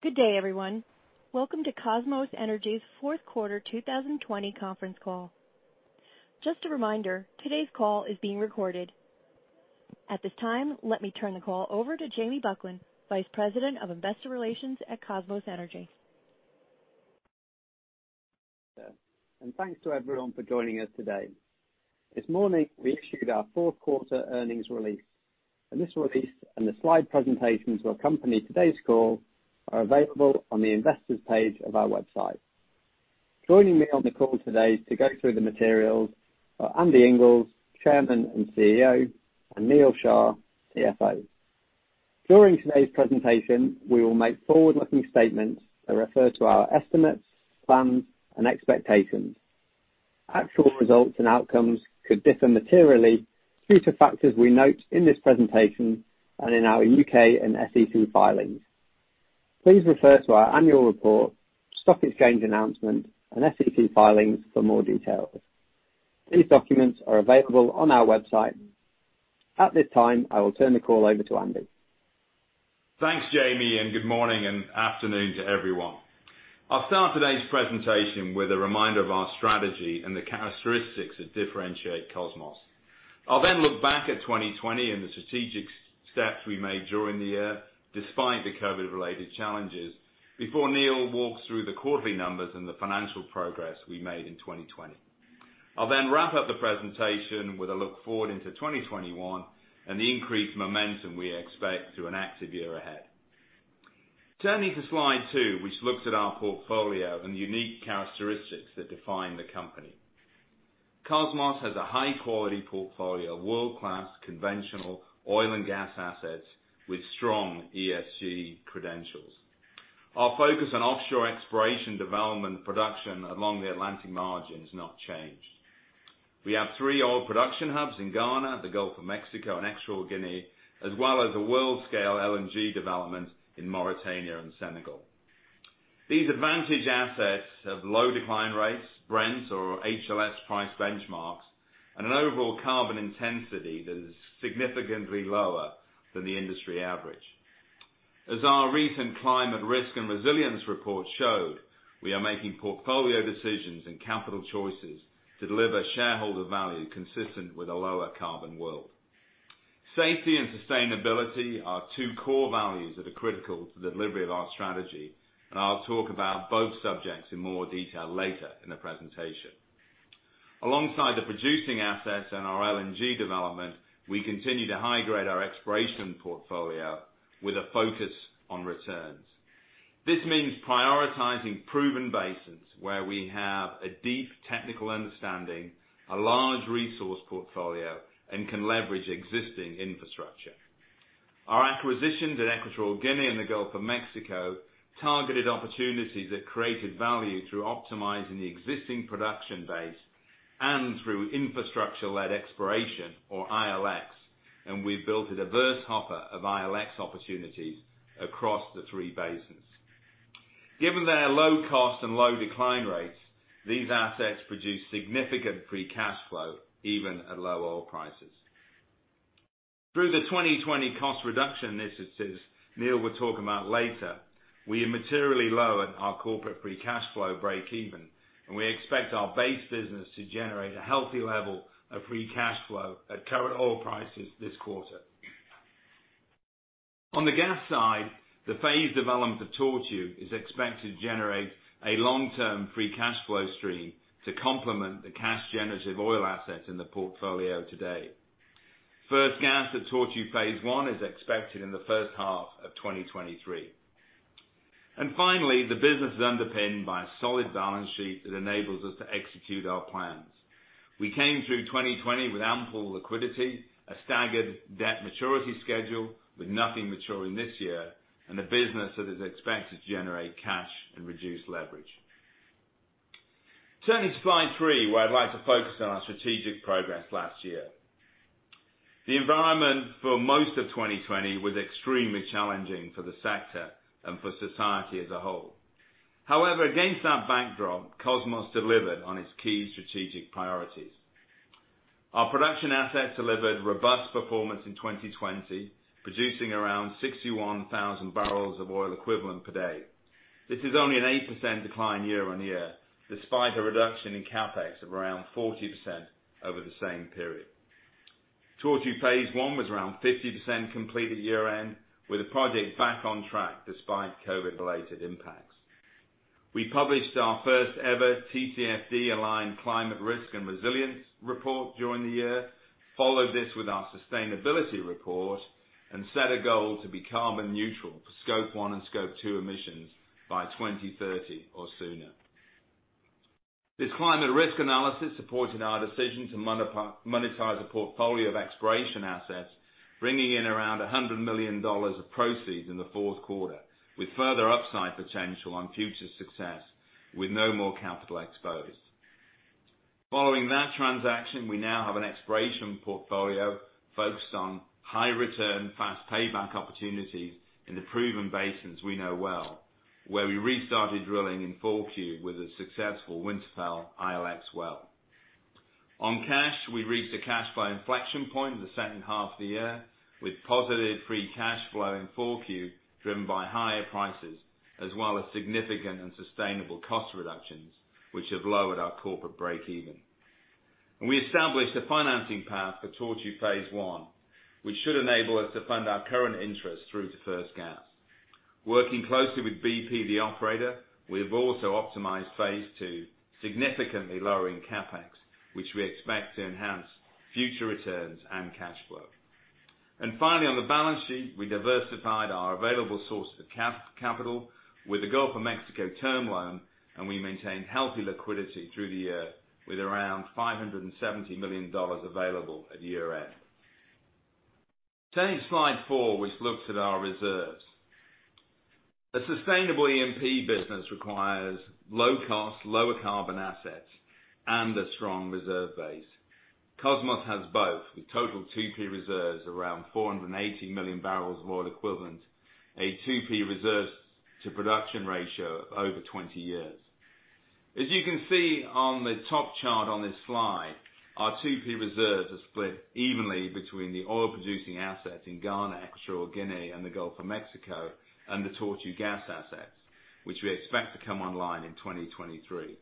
Good day, everyone. Welcome to Kosmos Energy's fourth quarter 2020 conference call. Just a reminder, today's call is being recorded. At this time, let me turn the call over to Jamie Buckland, Vice President of Investor Relations at Kosmos Energy. Thanks to everyone for joining us today. This morning, we issued our fourth quarter earnings release. This release and the slide presentations that accompany today's call are available on the Investors page of our website. Joining me on the call today to go through the materials are Andy Inglis, Chairman and CEO, and Neal Shah, CFO. During today's presentation, we will make forward-looking statements that refer to our estimates, plans, and expectations. Actual results and outcomes could differ materially due to factors we note in this presentation and in our U.K. and SEC filings. Please refer to our annual report, stock exchange announcement, and SEC filings for more details. These documents are available on our website. At this time, I will turn the call over to Andy. Thanks, Jamie. Good morning and afternoon to everyone. I'll start today's presentation with a reminder of our strategy and the characteristics that differentiate Kosmos. I'll then look back at 2020 and the strategic steps we made during the year, despite the COVID-related challenges, before Neal walks through the quarterly numbers and the financial progress we made in 2020. I'll then wrap up the presentation with a look forward into 2021 and the increased momentum we expect through an active year ahead. Turning to slide two, which looks at our portfolio and the unique characteristics that define the company. Kosmos has a high-quality portfolio of world-class conventional oil and gas assets with strong ESG credentials. Our focus on offshore exploration development production along the Atlantic margin has not changed. We have three oil production hubs in Ghana, the Gulf of Mexico, and Equatorial Guinea, as well as a world-scale LNG development in Mauritania and Senegal. These advantaged assets have low decline rates, Brent or HLS price benchmarks, and an overall carbon intensity that is significantly lower than the industry average. As our recent Climate Risk and Resilience Report showed, we are making portfolio decisions and capital choices to deliver shareholder value consistent with a lower carbon world. Safety and sustainability are two core values that are critical to the delivery of our strategy, I'll talk about both subjects in more detail later in the presentation. Alongside the producing assets and our LNG development, we continue to high-grade our exploration portfolio with a focus on returns. This means prioritizing proven basins where we have a deep technical understanding, a large resource portfolio, and can leverage existing infrastructure. Our acquisitions in Equatorial Guinea and the Gulf of Mexico targeted opportunities that created value through optimizing the existing production base and through infrastructure-led exploration or ILX. We've built a diverse hopper of ILX opportunities across the three basins. Given their low cost and low decline rates, these assets produce significant free cash flow even at low oil prices. Through the 2020 cost reduction initiatives Neal will talk about later, we have materially lowered our corporate free cash flow breakeven, and we expect our base business to generate a healthy level of free cash flow at current oil prices this quarter. On the gas side, the phased development of Tortue is expected to generate a long-term free cash flow stream to complement the cash-generative oil assets in the portfolio today. First gas at Tortue Phase 1 is expected in the first half of 2023. Finally, the business is underpinned by a solid balance sheet that enables us to execute our plans. We came through 2020 with ample liquidity, a staggered debt maturity schedule with nothing maturing this year, and a business that is expected to generate cash and reduce leverage. Turning to slide three, where I'd like to focus on our strategic progress last year. The environment for most of 2020 was extremely challenging for the sector and for society as a whole. However, against that backdrop, Kosmos delivered on its key strategic priorities. Our production assets delivered robust performance in 2020, producing around 61,000 bbl of oil equivalent per day. This is only an 8% decline year-on-year, despite a reduction in CapEx of around 40% over the same period. Tortue Phase 1 was around 50% complete at year-end, with the project back on track despite COVID-related impacts. We published our first ever TCFD-aligned Climate Risk and Resilience Report during the year, followed this with our Sustainability Report and set a goal to be carbon neutral for Scope 1 and Scope 2 emissions by 2030 or sooner. This climate risk analysis supported our decision to monetize a portfolio of exploration assets, bringing in around $100 million of proceeds in the fourth quarter, with further upside potential on future success, with no more capital exposed. Following that transaction, we now have an exploration portfolio focused on high-return, fast payback opportunities in the proven basins we know well, where we restarted drilling in 4Q with a successful Winterfell ILX well. On cash, we reached a cash flow inflection point in the second half of the year, with positive free cash flow in 4Q driven by higher prices as well as significant and sustainable cost reductions, which have lowered our corporate breakeven. We established a financing path for Tortue Phase 1, which should enable us to fund our current interest through to first gas. Working closely with BP, the operator, we have also optimized Phase 2, significantly lowering CapEx, which we expect to enhance future returns and cash flow. Finally, on the balance sheet, we diversified our available source of capital with the Gulf of Mexico term loan, and we maintained healthy liquidity through the year with around $570 million available at year-end. Turning to slide four, which looks at our reserves. A sustainable E&P business requires low cost, lower carbon assets and a strong reserve base. Kosmos has both, with total 2P reserves around 480 million barrels of oil equivalent, a 2P reserves to production ratio of over 20 years. As you can see on the top chart on this slide, our 2P reserves are split evenly between the oil-producing assets in Ghana, Equatorial Guinea and the Gulf of Mexico, and the Tortue gas assets, which we expect to come online in 2023.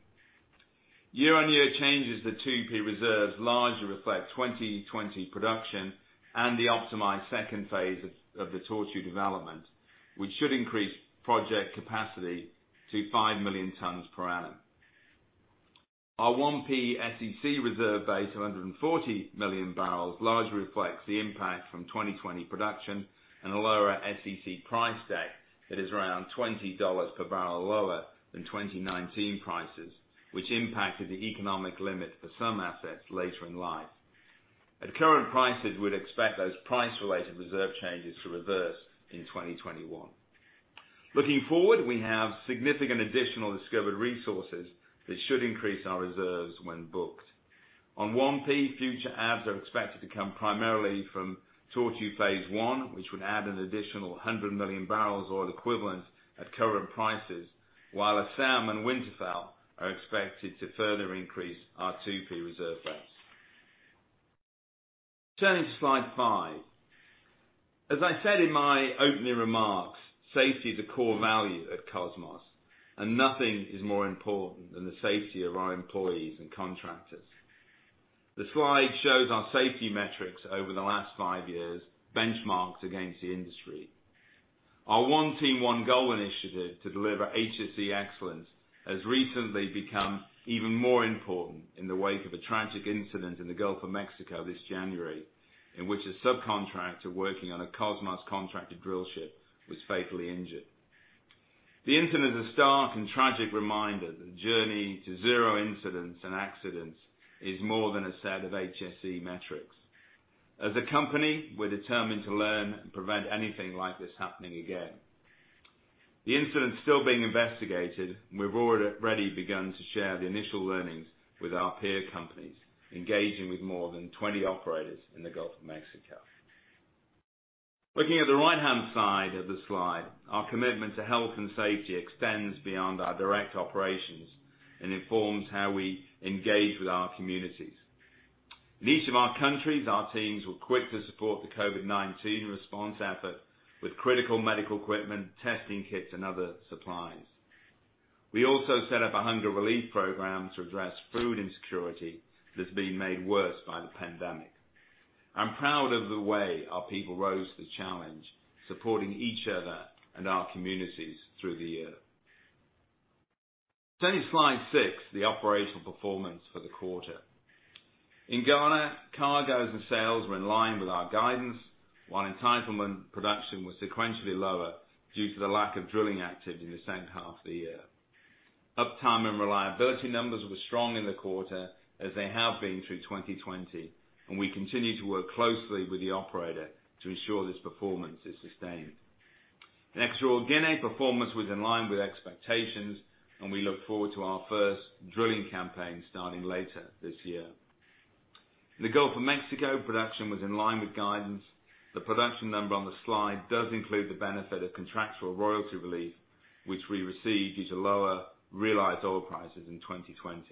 Year-on-year changes to 2P reserves largely reflect 2020 production and the optimized second phase of the Tortue development, which should increase project capacity to 5 million tons per annum. Our 1P SEC reserve base of 140 million barrels largely reflects the impact from 2020 production and a lower SEC price deck that is around $20 per barrel lower than 2019 prices, which impacted the economic limit for some assets later in life. At current prices, we'd expect those price-related reserve changes to reverse in 2021. Looking forward, we have significant additional discovered resources that should increase our reserves when booked. On 1P, future adds are expected to come primarily from Tortue Phase 1, which would add an additional 100 million barrels oil equivalent at current prices. While Asam and Winterfell are expected to further increase our 2P reserve base. Turning to slide five. As I said in my opening remarks, safety is a core value at Kosmos and nothing is more important than the safety of our employees and contractors. The slide shows our safety metrics over the last five years benchmarked against the industry. Our One Team, One Goal initiative to deliver HSE excellence has recently become even more important in the wake of a tragic incident in the Gulf of Mexico this January, in which a subcontractor working on a Kosmos-contracted drill ship was fatally injured. The incident is a stark and tragic reminder that the journey to zero incidents and accidents is more than a set of HSE metrics. As a company, we're determined to learn and prevent anything like this happening again. The incident is still being investigated, and we've already begun to share the initial learnings with our peer companies, engaging with more than 20 operators in the Gulf of Mexico. Looking at the right-hand side of the slide, our commitment to health and safety extends beyond our direct operations and informs how we engage with our communities. In each of our countries, our teams were quick to support the COVID-19 response effort with critical medical equipment, testing kits and other supplies. We also set up a hunger relief program to address food insecurity that's been made worse by the pandemic. I'm proud of the way our people rose to the challenge, supporting each other and our communities through the year. Turning to slide six, the operational performance for the quarter. In Ghana, cargoes and sales were in line with our guidance, while entitlement production was sequentially lower due to the lack of drilling activity in the second half of the year. Uptime and reliability numbers were strong in the quarter as they have been through 2020, and we continue to work closely with the operator to ensure this performance is sustained. In Equatorial Guinea, performance was in line with expectations and we look forward to our first drilling campaign starting later this year. In the Gulf of Mexico, production was in line with guidance. The production number on the slide does include the benefit of contractual royalty relief which we received due to lower realized oil prices in 2020.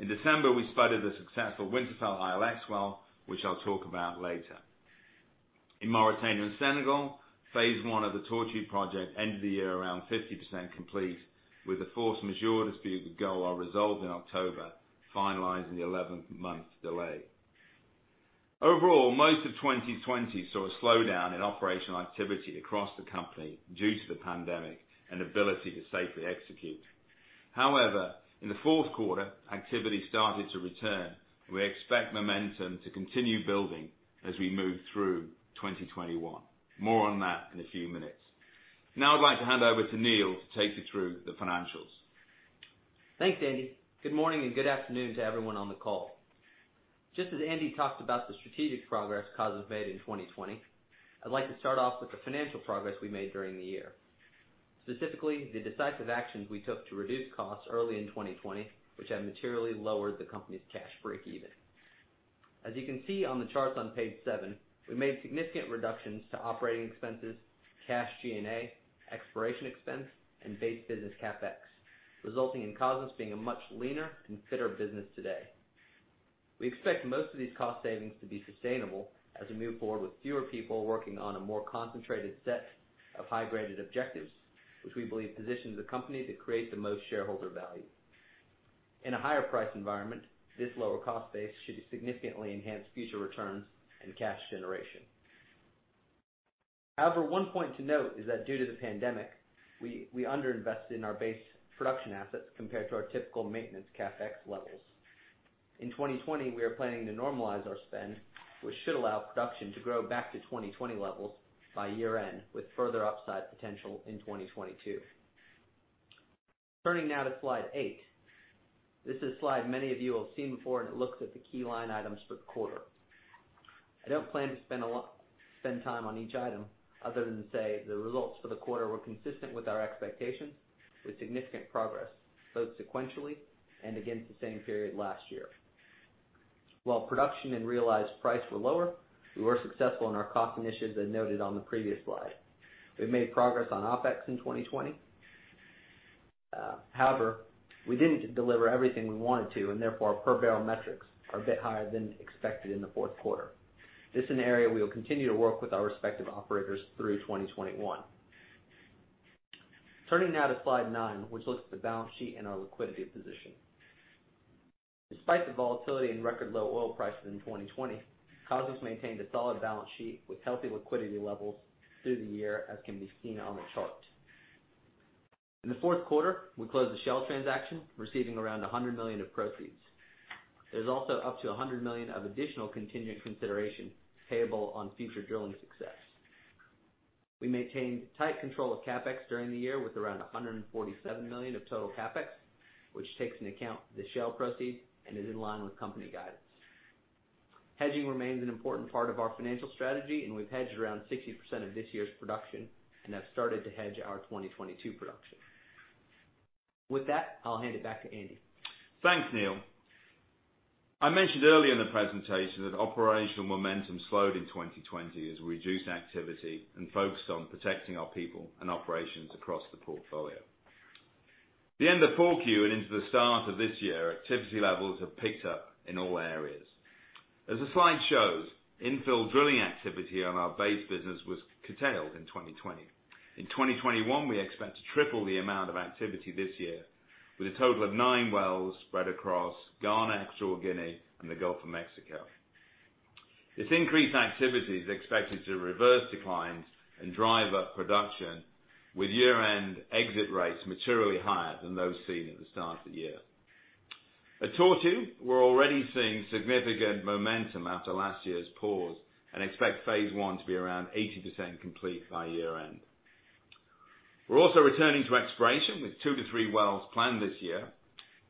In December, we spudded the successful Winterfell ILX well, which I'll talk about later. In Mauritania and Senegal, Phase 1 of the Tortue project ended the year around 50% complete with the force majeure dispute with Golar resolved in October, finalizing the 11-month delay. Overall, most of 2020 saw a slowdown in operational activity across the company due to the pandemic and ability to safely execute. However, in the fourth quarter, activity started to return. We expect momentum to continue building as we move through 2021. More on that in a few minutes. Now I'd like to hand over to Neal to take you through the financials. Thanks, Andy. Good morning and good afternoon to everyone on the call. Just as Andy talked about the strategic progress Kosmos made in 2020, I'd like to start off with the financial progress we made during the year. Specifically, the decisive actions we took to reduce costs early in 2020, which have materially lowered the company's cash breakeven. As you can see on the charts on page seven, we made significant reductions to operating expenses, cash G&A, exploration expense, and base business CapEx, resulting in Kosmos being a much leaner and fitter business today. We expect most of these cost savings to be sustainable as we move forward with fewer people working on a more concentrated set of high-graded objectives, which we believe positions the company to create the most shareholder value. In a higher price environment, this lower cost base should significantly enhance future returns and cash generation. One point to note is that due to the pandemic, we under-invested in our base production assets compared to our typical maintenance CapEx levels. In 2020, we are planning to normalize our spend, which should allow production to grow back to 2020 levels by year-end, with further upside potential in 2022. Turning now to slide eight. This is a slide many of you will have seen before, and it looks at the key line items for the quarter. I don't plan to spend time on each item other than to say the results for the quarter were consistent with our expectations, with significant progress both sequentially and against the same period last year. While production and realized price were lower, we were successful in our cost initiatives as noted on the previous slide. We've made progress on OpEx in 2020. However, we didn't deliver everything we wanted to, and therefore, our per-barrel metrics are a bit higher than expected in the fourth quarter. This is an area we will continue to work with our respective operators through 2021. Turning now to slide nine, which looks at the balance sheet and our liquidity position. Despite the volatility in record low oil prices in 2020, Kosmos maintained a solid balance sheet with healthy liquidity levels through the year, as can be seen on the chart. In the fourth quarter, we closed the Shell transaction, receiving around $100 million of proceeds. There's also up to $100 million of additional contingent consideration payable on future drilling success. We maintained tight control of CapEx during the year, with around $147 million of total CapEx, which takes into account the Shell proceed and is in line with company guidance. Hedging remains an important part of our financial strategy, and we've hedged around 60% of this year's production and have started to hedge our 2022 production. With that, I'll hand it back to Andy. Thanks, Neal. I mentioned earlier in the presentation that operational momentum slowed in 2020 as we reduced activity and focused on protecting our people and operations across the portfolio. The end of 4Q and into the start of this year, activity levels have picked up in all areas. As the slide shows, infill drilling activity on our base business was curtailed in 2020. In 2021, we expect to triple the amount of activity this year with a total of nine wells spread across Ghana, Equatorial Guinea, and the Gulf of Mexico. This increased activity is expected to reverse declines and drive up production, with year-end exit rates materially higher than those seen at the start of the year. At Tortue, we're already seeing significant momentum after last year's pause and expect Phase 1 to be around 80% complete by year-end. We're also returning to exploration with two to three wells planned this year.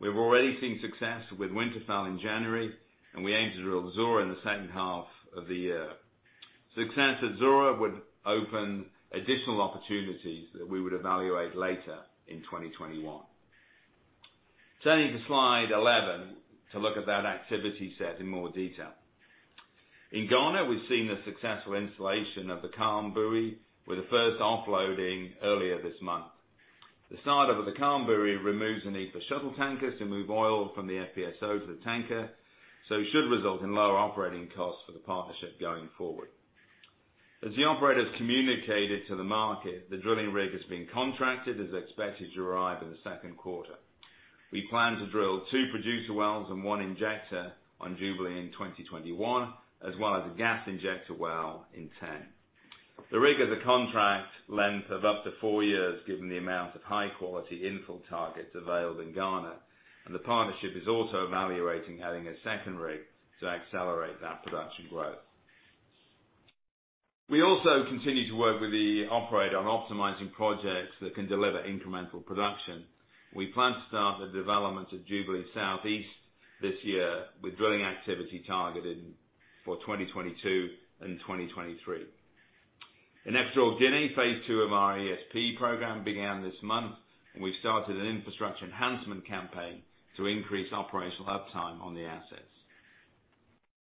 We've already seen success with Winterfell in January. We aim to drill Zora in the second half of the year. Success at Zora would open additional opportunities that we would evaluate later in 2021. Turning to slide 11 to look at that activity set in more detail. In Ghana, we've seen the successful installation of the CALM buoy with the first offloading earlier this month. The start of the CALM buoy removes the need for shuttle tankers to move oil from the FPSO to the tanker. It should result in lower operating costs for the partnership going forward. As the operators communicated to the market, the drilling rig that's been contracted is expected to arrive in the second quarter. We plan to drill two producer wells and one injector on Jubilee in 2021, as well as a gas injector well in TEN. The rig has a contract length of up to four years, given the amount of high-quality infill targets available in Ghana, and the partnership is also evaluating adding a second rig to accelerate that production growth. We also continue to work with the operator on optimizing projects that can deliver incremental production. We plan to start the development of Jubilee Southeast this year, with drilling activity targeted for 2022 and 2023. In Equatorial Guinea, Phase 2 of our ESP program began this month, and we started an infrastructure enhancement campaign to increase operational uptime on the assets.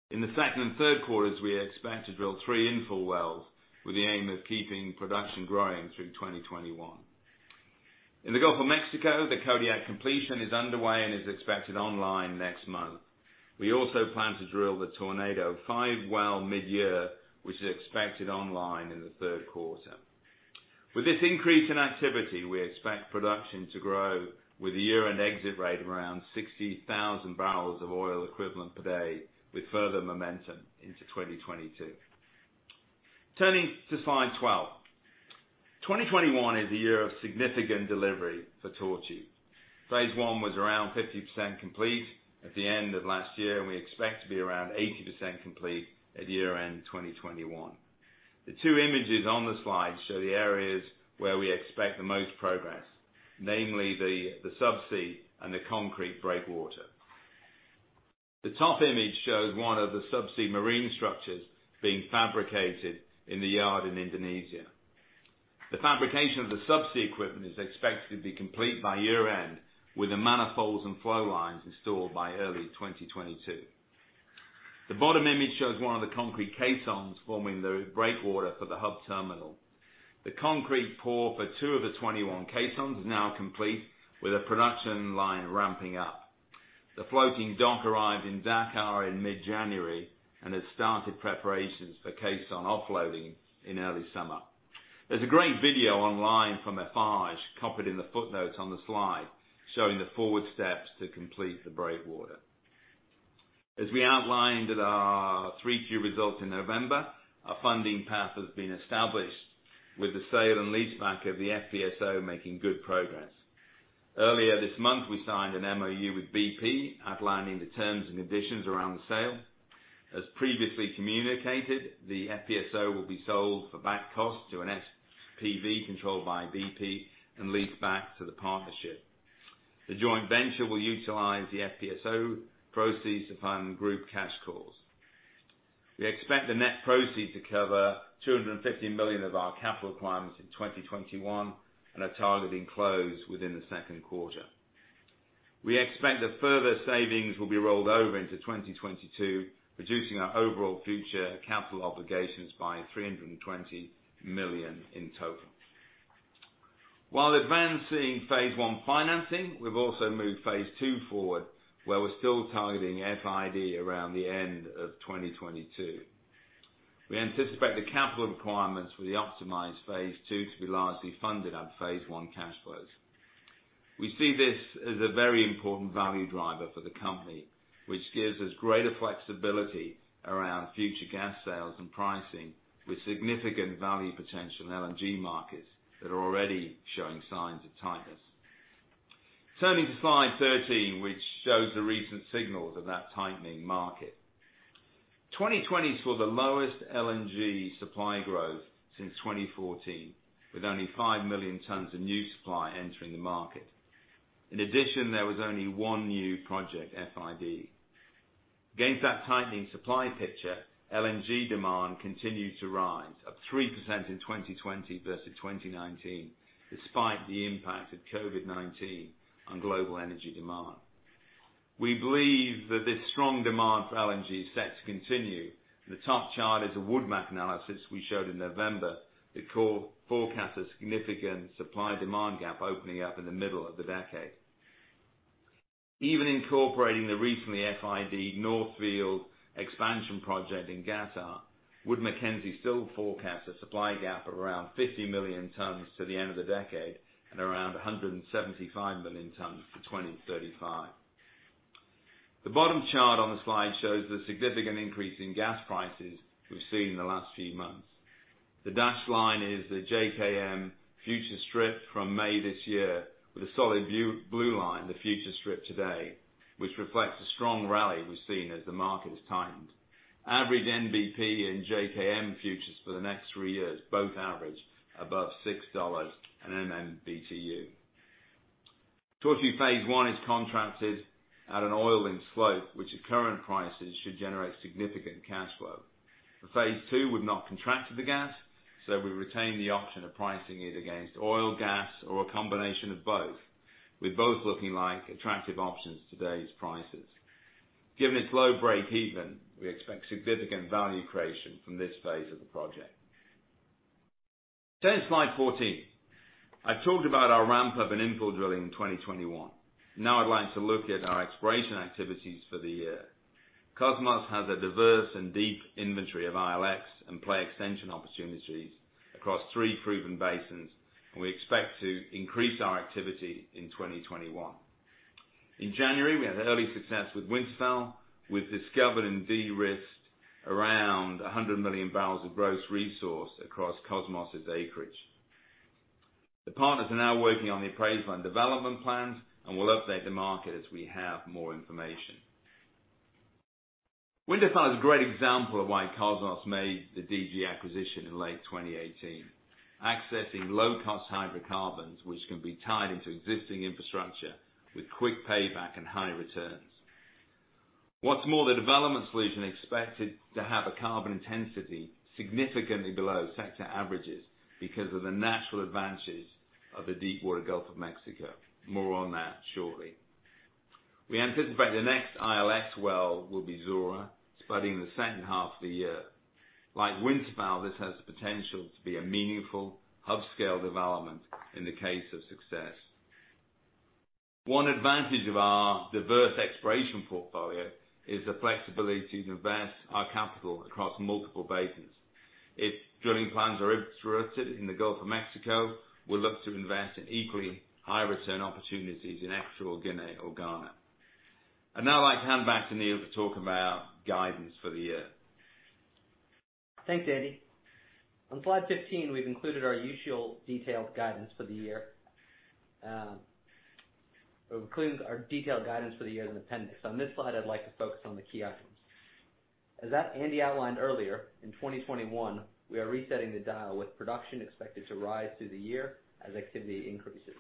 In the second and third quarters, we expect to drill three infill wells, with the aim of keeping production growing through 2021. In the Gulf of Mexico, the Kodiak completion is underway and is expected online next month. We also plan to drill the Tornado-5 well mid-year, which is expected online in the third quarter. With this increase in activity, we expect production to grow with a year-end exit rate of around 60,000 bbl of oil equivalent per day, with further momentum into 2022. Turning to slide 12. 2021 is a year of significant delivery for Tortue. Phase 1 was around 50% complete at the end of last year, and we expect to be around 80% complete at year-end 2021. The two images on the slide show the areas where we expect the most progress, namely the sub-sea and the concrete breakwater. The top image shows one of the sub-sea marine structures being fabricated in the yard in Indonesia. The fabrication of the subsea equipment is expected to be complete by year-end, with the manifolds and flow lines installed by early 2022. The bottom image shows one of the concrete caissons forming the breakwater for the hub terminal. The concrete pour for two of the 21 caissons is now complete, with the production line ramping up. The floating dock arrived in Dakar in mid-January and has started preparations for caisson offloading in early summer. There's a great video online from Eiffage, copied in the footnotes on the slide, showing the forward steps to complete the breakwater. As we outlined at our 3Q results in November, a funding path has been established with the sale and leaseback of the FPSO making good progress. Earlier this month, we signed an MOU with BP outlining the terms and conditions around the sale. As previously communicated, the FPSO will be sold for back cost to an SPV controlled by BP and leased back to the partnership. The joint venture will utilize the FPSO proceeds to fund group cash calls. We expect the net proceed to cover $250 million of our capital requirements in 2021, and are targeting close within the second quarter. We expect that further savings will be rolled over into 2022, reducing our overall future capital obligations by $320 million in total. While advancing Phase 1 financing, we've also moved Phase 2 forward, where we're still targeting FID around the end of 2022. We anticipate the capital requirements for the optimized Phase 2 to be largely funded on Phase 1 cash flows. We see this as a very important value driver for the company, which gives us greater flexibility around future gas sales and pricing, with significant value potential in LNG markets that are already showing signs of tightness. Turning to slide 13, which shows the recent signals of that tightening market. 2020 saw the lowest LNG supply growth since 2014, with only 5 million tons of new supply entering the market. In addition, there was only one new project FID. Against that tightening supply picture, LNG demand continued to rise, up 3% in 2020 versus 2019, despite the impact of COVID-19 on global energy demand. We believe that this strong demand for LNG is set to continue. The top chart is a Wood Mac analysis we showed in November that forecasts a significant supply-demand gap opening up in the middle of the decade. Even incorporating the recently FID North Field expansion project in Qatar, Wood Mackenzie still forecasts a supply gap of around 50 million tons to the end of the decade and around 175 million tons for 2035. The bottom chart on the slide shows the significant increase in gas prices we've seen in the last few months. The dashed line is the JKM future strip from May this year with a solid blue line, the future strip today, which reflects a strong rally we've seen as the market has tightened. Average NBP and JKM futures for the next three years both average above $6 a MMBtu. Tortue Phase 1 is contracted at an oil-linked slope, which at current prices should generate significant cash flow. For Phase 2, We've not contracted the gas, so we retain the option of pricing it against oil, gas, or a combination of both, with both looking like attractive options at today's prices. Given its low break even, we expect significant value creation from this phase of the project. Turning to slide 14. I've talked about our ramp up in infill drilling in 2021. Now I'd like to look at our exploration activities for the year. Kosmos has a diverse and deep inventory of ILX and play extension opportunities across three proven basins, We expect to increase our activity in 2021. In January, we had early success with Winterfell. We've discovered and de-risked around 100 million barrels of gross resource across Kosmos' acreage. The partners are now working on the appraisal and development plans, and we'll update the market as we have more information. Winterfell is a great example of why Kosmos made the DGE acquisition in late 2018, accessing low-cost hydrocarbons which can be tied into existing infrastructure with quick payback and high returns. What's more, the development solution expected to have a carbon intensity significantly below sector averages because of the natural advantages of the Deepwater Gulf of Mexico. More on that shortly. We anticipate the next ILX well will be Zora, spudding in the second half of the year. Like Winterfell, this has the potential to be a meaningful hub-scale development in the case of success. One advantage of our diverse exploration portfolio is the flexibility to invest our capital across multiple basins. If drilling plans are interrupted in the Gulf of Mexico, we'll look to invest in equally high return opportunities in Equatorial Guinea or Ghana. I'd now like to hand back to Neal to talk about guidance for the year. Thanks, Andy. On slide 15, we've included our detailed guidance for the year, or included our detailed guidance for the year in the appendix. On this slide, I'd like to focus on the key items. As Andy outlined earlier, in 2021, we are resetting the dial with production expected to rise through the year as activity increases.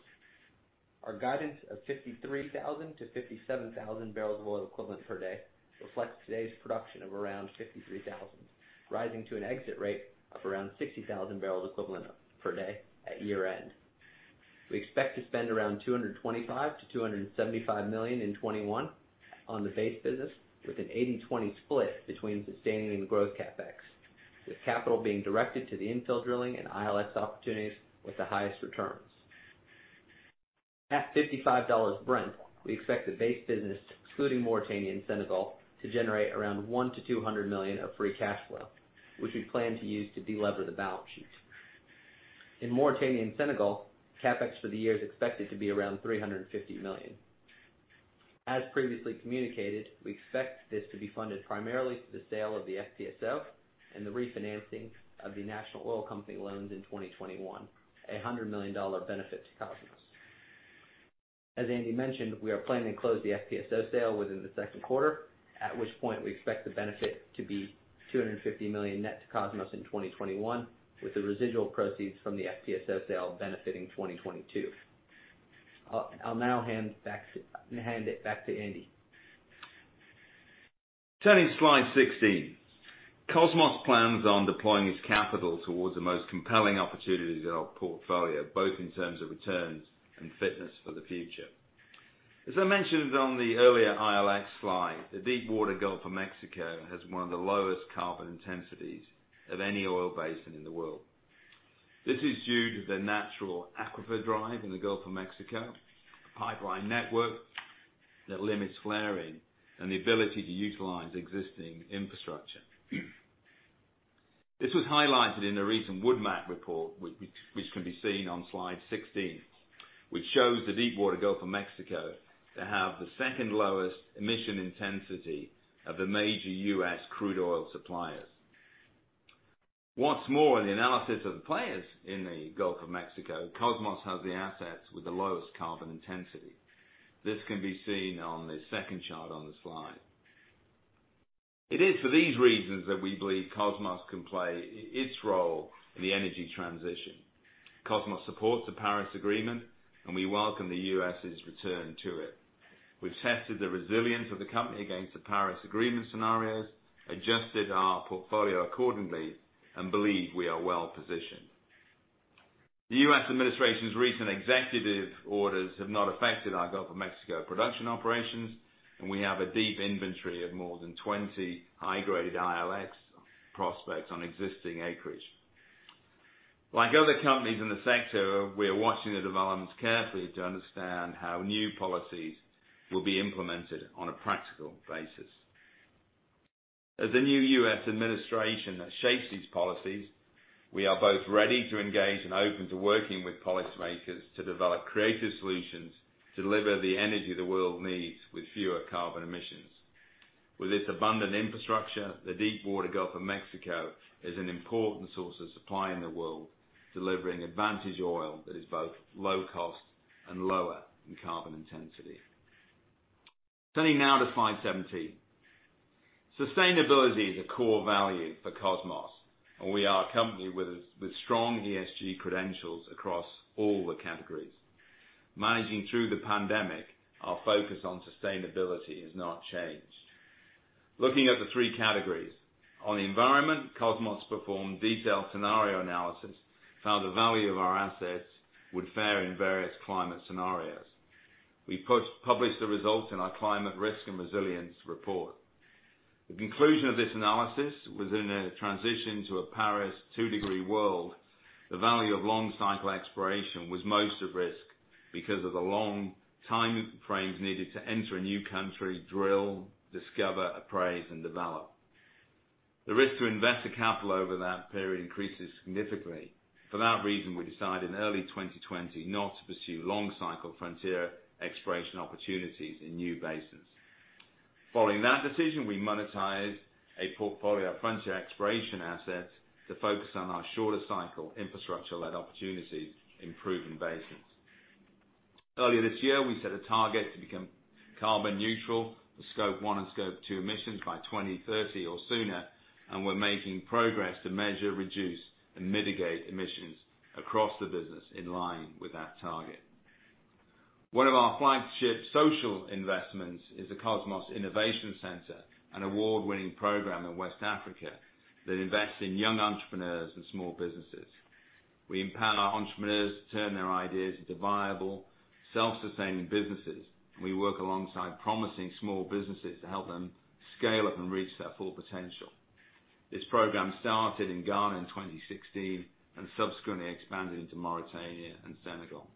Our guidance of 53,000-57,000 bbl of oil equivalent per day reflects today's production of around 53,000, rising to an exit rate of around 60,000 bbl equivalent per day at year-end. We expect to spend around $225 million-$275 million in 2021 on the base business, with an 80/20 split between sustaining and growth CapEx, with capital being directed to the infill drilling and ILX opportunities with the highest returns. At $55 Brent, we expect the base business, excluding Mauritania and Senegal, to generate around $100 million-$200 million of free cash flow, which we plan to use to de-lever the balance sheet. In Mauritania and Senegal, CapEx for the year is expected to be around $350 million. As previously communicated, we expect this to be funded primarily through the sale of the FPSO and the refinancing of the national oil company loans in 2021, a $100 million benefit to Kosmos. As Andy mentioned, we are planning to close the FPSO sale within the second quarter, at which point we expect the benefit to be $250 million net to Kosmos in 2021, with the residual proceeds from the FPSO sale benefiting 2022. I'll now hand it back to Andy. Turning to slide 16. Kosmos plans on deploying its capital towards the most compelling opportunities in our portfolio, both in terms of returns and fitness for the future. As I mentioned on the earlier ILX slide, the Deepwater Gulf of Mexico has one of the lowest carbon intensities of any oil basin in the world. This is due to the natural aquifer drive in the Gulf of Mexico, a pipeline network that limits flaring, and the ability to utilize existing infrastructure. This was highlighted in a recent Wood Mac report, which can be seen on slide 16, which shows the Deepwater Gulf of Mexico to have the second lowest emission intensity of the major U.S. crude oil suppliers. What's more, in the analysis of the players in the Gulf of Mexico, Kosmos has the assets with the lowest carbon intensity. This can be seen on the second chart on the slide. It is for these reasons that we believe Kosmos can play its role in the energy transition. Kosmos supports the Paris Agreement. We welcome the U.S.'s return to it. We've tested the resilience of the company against the Paris Agreement scenarios, adjusted our portfolio accordingly, and believe we are well-positioned. The U.S. administration's recent executive orders have not affected our Gulf of Mexico production operations, and we have a deep inventory of more than 20 high-graded ILX prospects on existing acreage. Like other companies in the sector, we are watching the developments carefully to understand how new policies will be implemented on a practical basis. As the new U.S. administration shapes these policies, we are both ready to engage and open to working with policymakers to develop creative solutions to deliver the energy the world needs with fewer carbon emissions. With its abundant infrastructure, the Deepwater Gulf of Mexico is an important source of supply in the world, delivering advantage oil that is both low cost and lower in carbon intensity. Turning now to slide 17. Sustainability is a core value for Kosmos, and we are a company with strong ESG credentials across all the categories. Managing through the pandemic, our focus on sustainability has not changed. Looking at the three categories, on the environment, Kosmos performed detailed scenario analysis of how the value of our assets would fare in various climate scenarios. We published the results in our Climate Risk and Resilience Report. The conclusion of this analysis was in a transition to a Paris two-degree world, the value of long-cycle exploration was most at risk because of the long time frames needed to enter a new country, drill, discover, appraise, and develop. The risk to invested capital over that period increases significantly. For that reason, we decided in early 2020 not to pursue long-cycle frontier exploration opportunities in new basins. Following that decision, we monetized a portfolio of frontier exploration assets to focus on our shorter cycle infrastructure-led opportunities in proven basins. Earlier this year, we set a target to become carbon neutral for Scope 1 and Scope 2 emissions by 2030 or sooner, and we're making progress to measure, reduce, and mitigate emissions across the business in line with that target. One of our flagship social investments is the Kosmos Innovation Center, an award-winning program in West Africa that invests in young entrepreneurs and small businesses. We empower entrepreneurs to turn their ideas into viable, self-sustaining businesses, and we work alongside promising small businesses to help them scale up and reach their full potential. This program started in Ghana in 2016 and subsequently expanded into Mauritania and Senegal.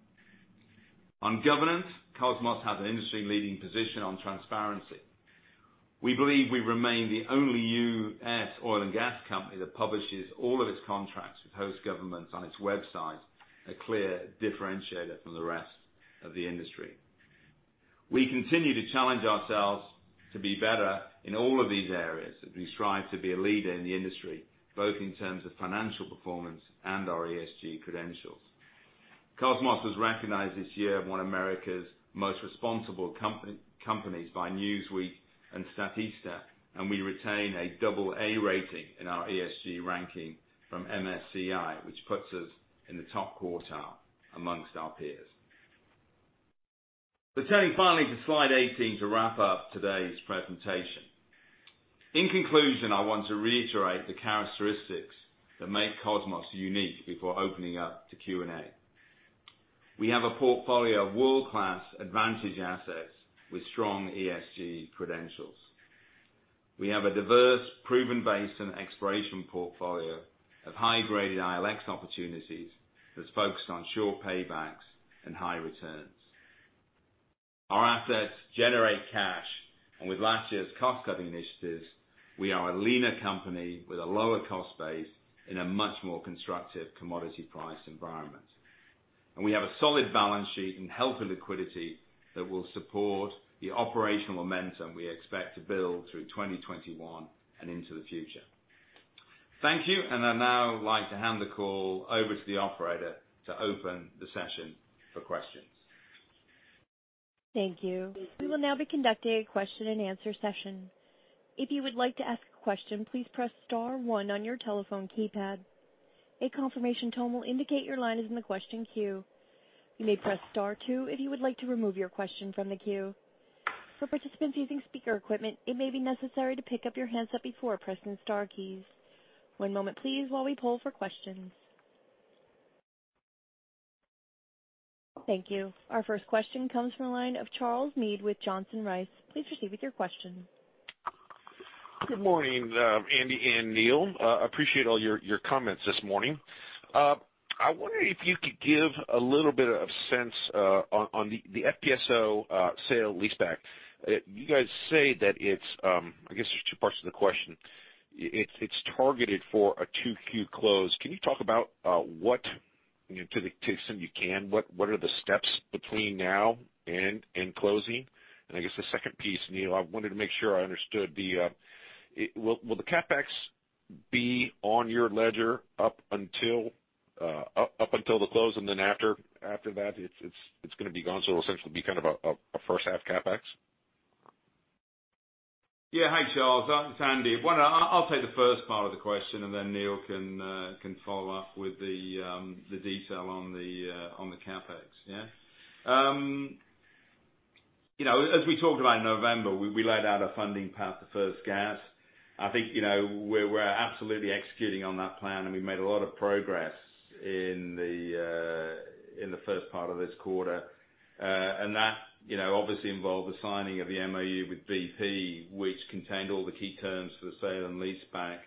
On governance, Kosmos has an industry-leading position on transparency. We believe we remain the only U.S. oil and gas company that publishes all of its contracts with host governments on its website, a clear differentiator from the rest of the industry. We continue to challenge ourselves to be better in all of these areas as we strive to be a leader in the industry, both in terms of financial performance and our ESG credentials. Kosmos was recognized this year one of America's Most Responsible Companies by Newsweek and Statista, and we retain a AA rating in our ESG ranking from MSCI, which puts us in the top quartile amongst our peers. Turning finally to slide 18 to wrap up today's presentation. In conclusion, I want to reiterate the characteristics that make Kosmos unique before opening up to Q&A. We have a portfolio of world-class advantage assets with strong ESG credentials. We have a diverse proven base and exploration portfolio of high-graded ILX opportunities that's focused on short paybacks and high returns. Our assets generate cash, and with last year's cost-cutting initiatives, we are a leaner company with a lower cost base in a much more constructive commodity price environment. We have a solid balance sheet and healthy liquidity that will support the operational momentum we expect to build through 2021 and into the future. Thank you. I'd now like to hand the call over to the operator to open the session for questions. Thank you. We will now be conducting a question-and-answer session. If you would like to ask a question, please press star one on your telephone keypad. A confirmation tone will indicate your line is in the question queue. You may press star two if your would like to remove your question from the queue. For participants using speaker equipment, it may be necessary to pick up your handset before pressing the star key. One moment please while we pull for questions. Thank you. Our first question comes from the line of Charles Meade with Johnson Rice. Please proceed with your question. Good morning, Andy and Neal. Appreciate all your comments this morning. I wonder if you could give a little bit of sense on the FPSO sale-leaseback. You guys say that it's, I guess there's two parts to the question, it's targeted for a 2Q close. Can you talk about what, to the extent you can, what are the steps between now and closing? I guess the second piece, Neal, I wanted to make sure I understood. Will the CapEx be on your ledger up until the close and then after that it's going to be gone, so it'll essentially be a first half CapEx? Hi, Charles. It's Andy. I'll take the first part of the question, and then Neal can follow up with the detail on the CapEx. As we talked about in November, we laid out a funding path to first gas. I think we're absolutely executing on that plan, and we made a lot of progress in the first part of this quarter. That obviously involved the signing of the MOU with BP, which contained all the key terms for the sale and leaseback.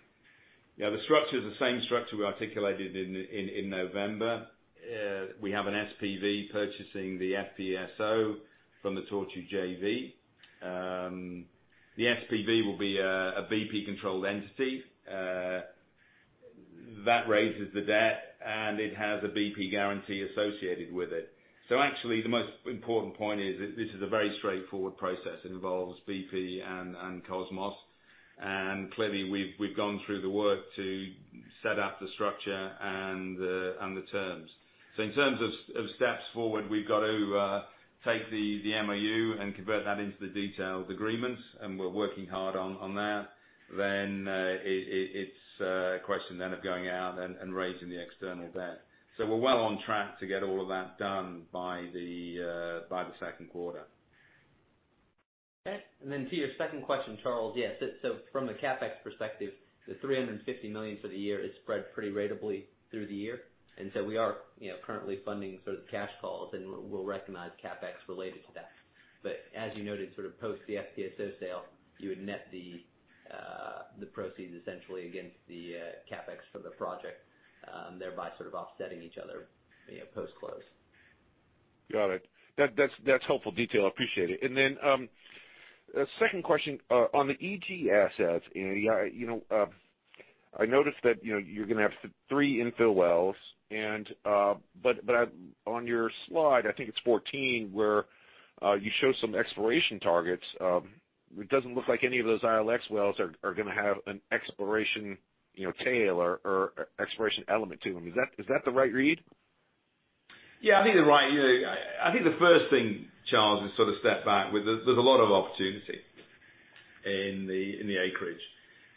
The structure is the same structure we articulated in November. We have an SPV purchasing the FPSO from the Tortue JV. The SPV will be a BP-controlled entity. That raises the debt, and it has a BP guarantee associated with it. Actually, the most important point is that this is a very straightforward process. It involves BP and Kosmos, and clearly, we've gone through the work to set out the structure and the terms. In terms of steps forward, we've got to take the MOU and convert that into the detailed agreements, and we're working hard on that. It's a question then of going out and raising the external debt. We're well on track to get all of that done by the second quarter. Okay. To your second question, Charles, yes. From a CapEx perspective, the $350 million for the year is spread pretty ratably through the year. We are currently funding sort of the cash calls, and we'll recognize CapEx related to that. As you noted, sort of post the FPSO sale, you would net the proceeds essentially against the CapEx for the project, thereby sort of offsetting each other post-close. Got it. That's helpful detail. I appreciate it. Second question. On the EG assets, Andy, I noticed that you're going to have three infill wells. On your slide, I think it's 14, where you show some exploration targets. It doesn't look like any of those ILX wells are going to have an exploration tail or exploration element to them. Is that the right read? I think they're right. I think the first thing, Charles, is sort of step back. There's a lot of opportunity in the acreage.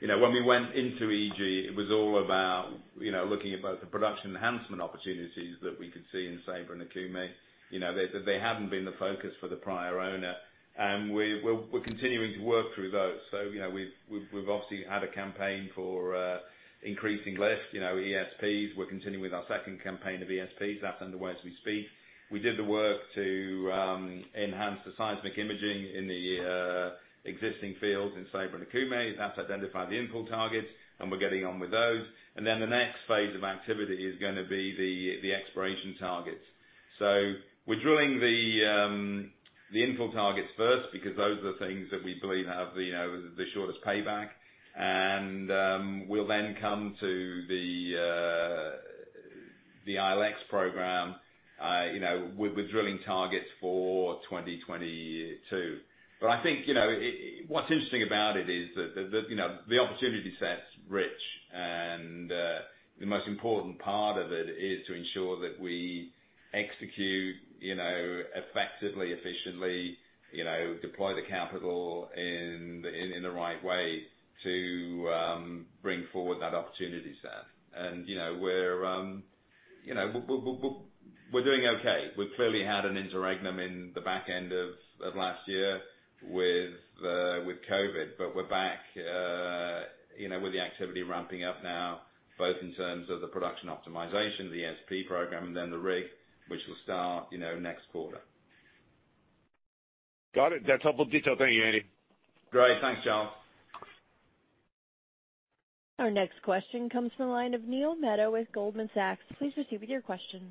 When we went into EG, it was all about looking at both the production enhancement opportunities that we could see in Ceiba and Okume. They haven't been the focus for the prior owner, and we're continuing to work through those. We've obviously had a campaign for increasing lift, ESPs. We're continuing with our second campaign of ESPs. That's underway as we speak. We did the work to enhance the seismic imaging in the existing fields in Ceiba and Okume. That's identified the infill targets, and we're getting on with those. The next phase of activity is going to be the exploration targets. We're drilling the infill targets first because those are the things that we believe have the shortest payback. We'll then come to the ILX program with drilling targets for 2022. I think what's interesting about it is that the opportunity set's rich. The most important part of it is to ensure that we execute effectively, efficiently, deploy the capital in the right way to bring forward that opportunity set. We're doing okay. We've clearly had an interregnum in the back end of last year with COVID, but we're back with the activity ramping up now, both in terms of the production optimization, the ESP program, and then the rig, which will start next quarter. Got it. That's helpful detail. Thank you, Andy. Great. Thanks, Charles. Our next question comes from the line of Neil Mehta with Goldman Sachs. Please proceed with your question.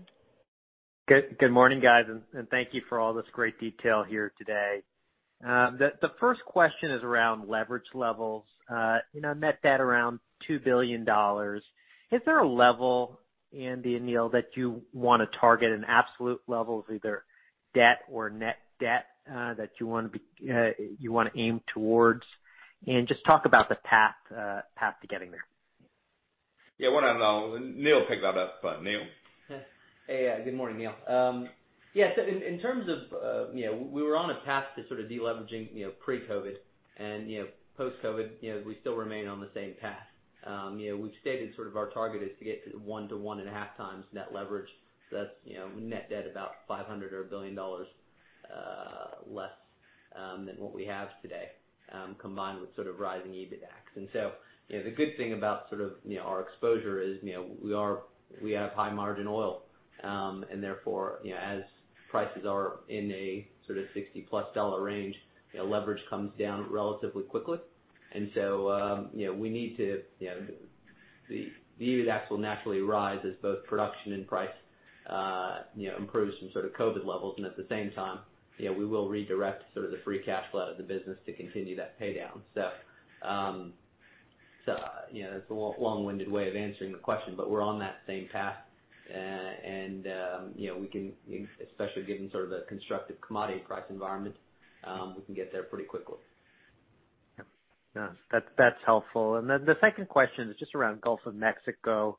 Good morning, guys, and thank you for all this great detail here today. The first question is around leverage levels. Net debt around $2 billion. Is there a level, Andy and Neal, that you want to target, an absolute level of either debt or net debt, that you want to aim towards? Just talk about the path to getting there. Yeah. Why don't, Neal pick that up. Neal? Hey. Good morning, Neil. We were on a path to sort of de-leveraging pre-COVID. Post-COVID, we still remain on the same path. We've stated sort of our target is to get to 1x-1.5x net leverage. That's net debt about $500 million or $1 billion less than what we have today, combined with sort of rising EBITDA. The good thing about our exposure is we have high margin oil, and therefore, as prices are in a sort of $60+ range, leverage comes down relatively quickly. The EBITDA will naturally rise as both production and price improves from sort of COVID levels. At the same time, we will redirect sort of the free cash flow of the business to continue that pay down. It's a long-winded way of answering the question, but we're on that same path. We can, especially given sort of the constructive commodity price environment, we can get there pretty quickly. Yeah. That's helpful. The second question is just around Gulf of Mexico.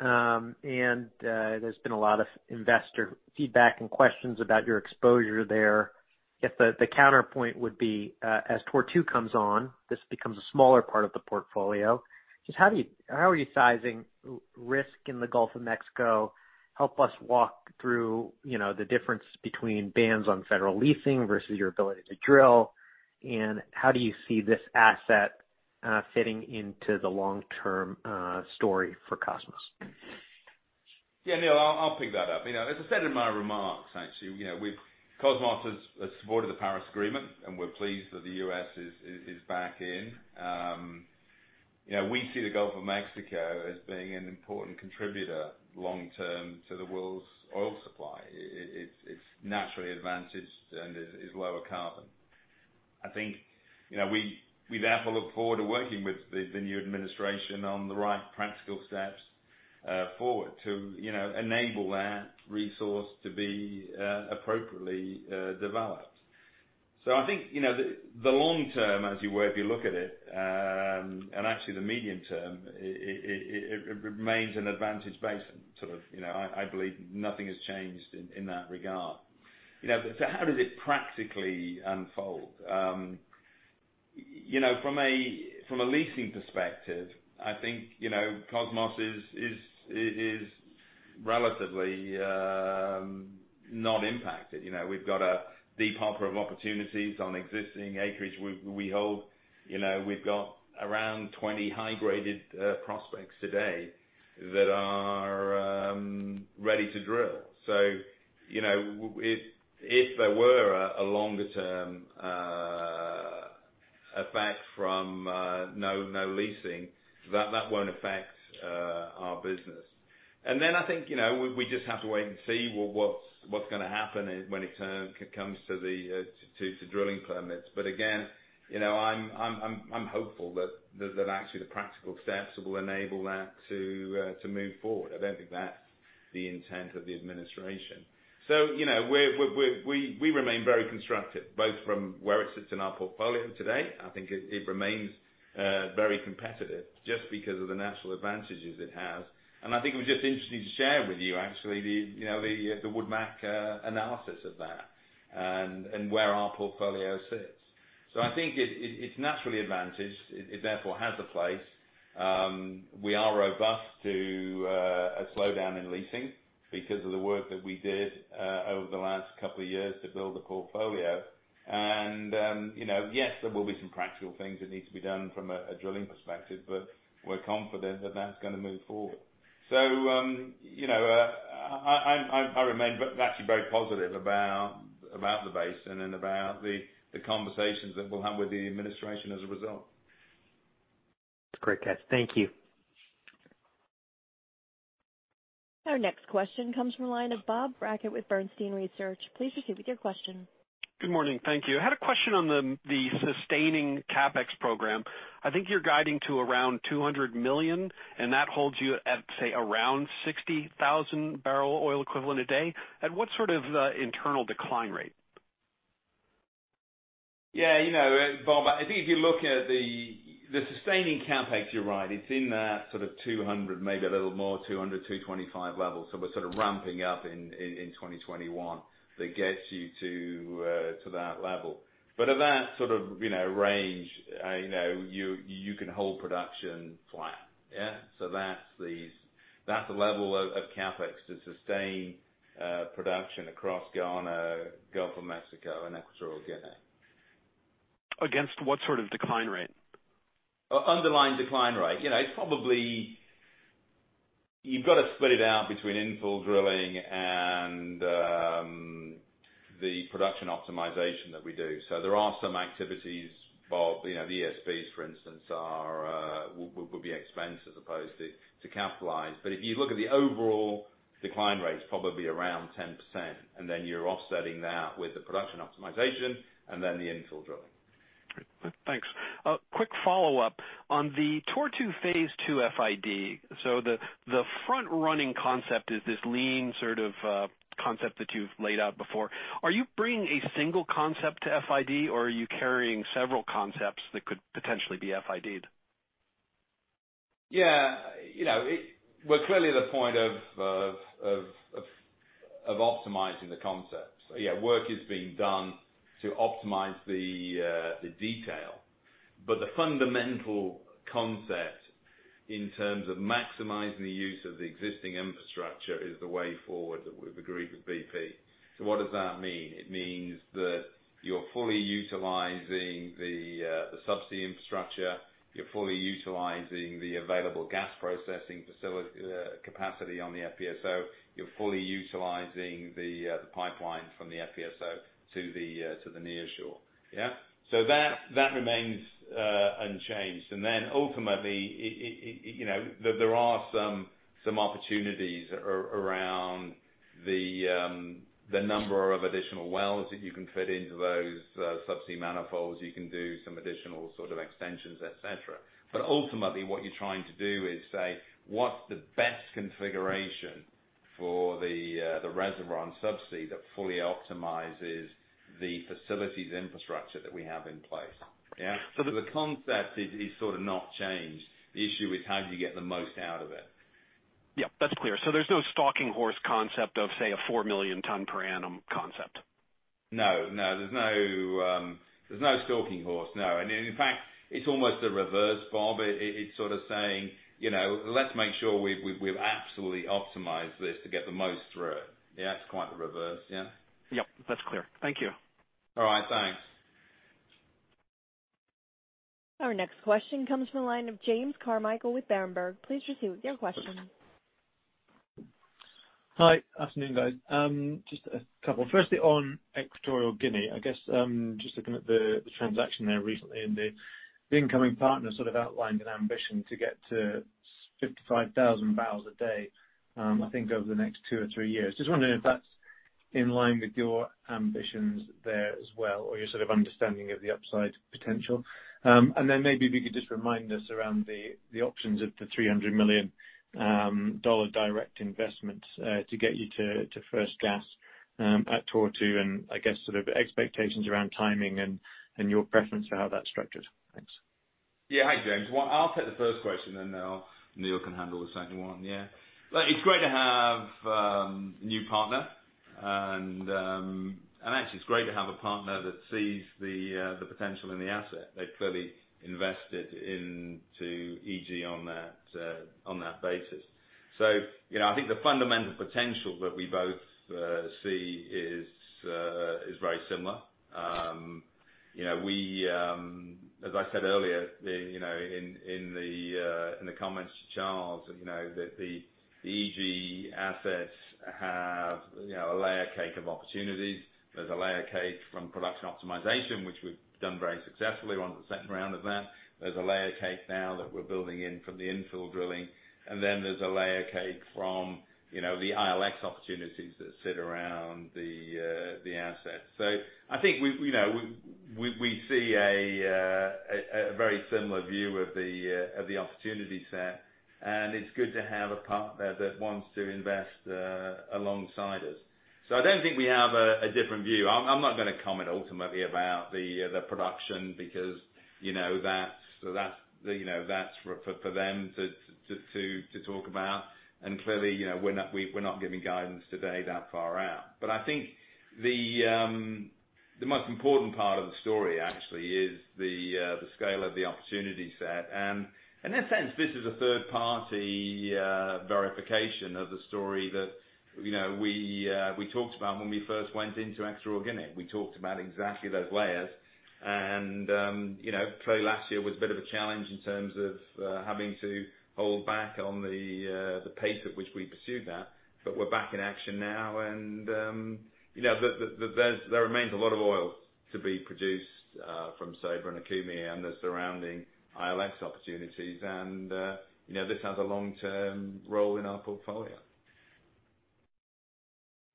There's been a lot of investor feedback and questions about your exposure there. If the counterpoint would be, as Tortue comes on, this becomes a smaller part of the portfolio. Just how are you sizing risk in the Gulf of Mexico? Help us walk through the difference between bans on federal leasing versus your ability to drill, and how do you see this asset fitting into the long-term story for Kosmos? Yeah, Neil, I'll pick that up. As I said in my remarks, actually, Kosmos has supported the Paris Agreement, and we're pleased that the U.S. is back in. We see the Gulf of Mexico as being an important contributor long-term to the world's oil supply. It's naturally advantaged and is lower carbon. I think we therefore look forward to working with the new administration on the right practical steps forward to enable that resource to be appropriately developed. I think, the long-term, as you were, if you look at it, and actually the medium-term, it remains an advantage basin. I believe nothing has changed in that regard. How does it practically unfold? From a leasing perspective, I think Kosmos is relatively not impacted. We've got a deep hopper of opportunities on existing acreage we hold. We've got around 20 high-graded prospects today that are ready to drill. If there were a longer term effect from no leasing, that won't affect our business. I think, we just have to wait and see, well, what's going to happen when it comes to drilling permits. Again, I'm hopeful that actually the practical steps will enable that to move forward. I don't think that's the intent of the administration. We remain very constructive, both from where it sits in our portfolio today. I think it remains very competitive just because of the natural advantages it has. I think it was just interesting to share with you actually the Wood Mac analysis of that and where our portfolio sits. I think it's naturally advantaged. It therefore has a place. We are robust to a slowdown in leasing because of the work that we did over the last couple of years to build the portfolio. Yes, there will be some practical things that need to be done from a drilling perspective. We're confident that that's going to move forward. I remain actually very positive about the basin and about the conversations that we'll have with the administration as a result. Great. Thank you. Our next question comes from the line of Bob Brackett with Bernstein Research. Please proceed with your question. Good morning. Thank you. I had a question on the sustaining CapEx program. I think you're guiding to around $200 million, and that holds you at, say, around 60,000 bbl oil equivalent a day. At what sort of internal decline rate? Yeah. Bob, I think if you look at the sustaining CapEx, you're right, it's in that $200 million, maybe a little more, $200 million, $225 million level. We're ramping up in 2021 that gets you to that level. At that range, you can hold production flat. Yeah? That's the level of CapEx to sustain production across Ghana, Gulf of Mexico, and Equatorial Guinea. Against what sort of decline rate? Underlying decline rate. You've got to split it out between infill drilling and the production optimization that we do. There are some activities, Bob, the ESPs, for instance, would be expensed as opposed to capitalized. If you look at the overall decline rates, probably around 10%, and then you're offsetting that with the production optimization and then the infill drilling. Great. Thanks. A quick follow-up. On the Tortue Phase 2 FID. The front-running concept is this lean sort of concept that you've laid out before. Are you bringing a single concept to FID or are you carrying several concepts that could potentially be FIDed? We're clearly at the point of optimizing the concepts. Work is being done to optimize the detail. The fundamental concept in terms of maximizing the use of the existing infrastructure is the way forward that we've agreed with BP. What does that mean? It means that you're fully utilizing the subsea infrastructure, you're fully utilizing the available gas processing capacity on the FPSO, you're fully utilizing the pipeline from the FPSO to the near shore. Yeah? So that remains unchanged. Ultimately, there are some opportunities around the number of additional wells that you can fit into those subsea manifolds. You can do some additional sort of extensions, et cetera. Ultimately, what you're trying to do is say, what's the best configuration for the reservoir and subsea that fully optimizes the facilities infrastructure that we have in place. Yeah? The concept is sort of not changed. The issue is how do you get the most out of it? Yep, that's clear. There's no stalking horse concept of, say, a 4 million ton per annum concept? No. There's no stalking horse, no. In fact, it's almost the reverse, Bob. It's sort of saying, let's make sure we've absolutely optimized this to get the most for it. Yeah, it's quite the reverse. Yeah? Yep, that's clear. Thank you. All right. Thanks. Our next question comes from the line of James Carmichael with Berenberg. Please proceed with your question. Hi. Afternoon, guys. Just a couple. Firstly, on Equatorial Guinea, I guess, just looking at the transaction there recently, and the incoming partner sort of outlined an ambition to get to 55,000 bbl a day, I think over the next two or three years. Just wondering if that's in line with your ambitions there as well or your sort of understanding of the upside potential. Maybe if you could just remind us around the options of the $300 million direct investment to get you to first gas at Tortue and, I guess, sort of expectations around timing and your preference for how that's structured. Thanks. Yeah. Hi, James. Well, I'll take the first question, and then Neal can handle the second one. Yeah. It's great to have a new partner. Actually, it's great to have a partner that sees the potential in the asset. They've clearly invested into EG on that basis. I think the fundamental potential that we both see is very similar. As I said earlier, in the comments to Charles that the EG assets have a layer cake of opportunities. There's a layer cake from production optimization, which we've done very successfully. We're on the second round of that. There's a layer cake now that we're building in from the infill drilling, and then there's a layer cake from the ILX opportunities that sit around the assets. I think we see a very similar view of the opportunity set, and it's good to have a partner that wants to invest alongside us. I don't think we have a different view. I'm not going to comment ultimately about the production because that's for them to talk about. Clearly, we're not giving guidance today that far out. I think the most important part of the story actually is the scale of the opportunity set. In a sense, this is a third-party verification of the story that we talked about when we first went into Equatorial Guinea. We talked about exactly those layers. Clearly last year was a bit of a challenge in terms of having to hold back on the pace at which we pursued that. We're back in action now, and there remains a lot of oil to be produced from Ceiba and Okume and the surrounding ILX opportunities. This has a long-term role in our portfolio.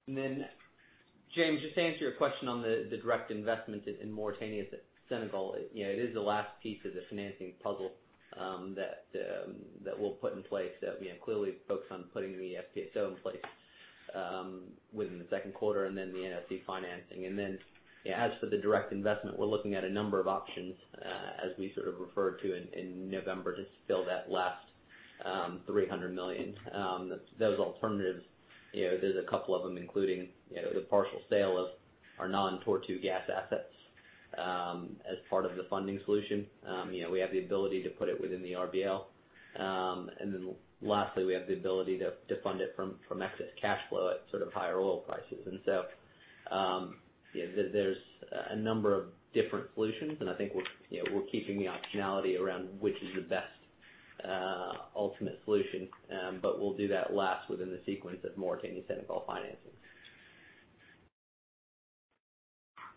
James, just to answer your question on the direct investment in Mauritania Senegal. It is the last piece of the financing puzzle that we'll put in place that we are clearly focused on putting the FPSO in place. Within the second quarter, the NOC financing. As for the direct investment, we're looking at a number of options, as we sort of referred to in November, to fill that last $300 million. Those alternatives, there's a couple of them, including the partial sale of our non-Tortue gas assets as part of the funding solution. We have the ability to put it within the RBL. Lastly, we have the ability to fund it from excess cash flow at higher oil prices. There's a number of different solutions, and I think we're keeping the optionality around which is the best ultimate solution. We'll do that last within the sequence of Mauritania and Senegal financing.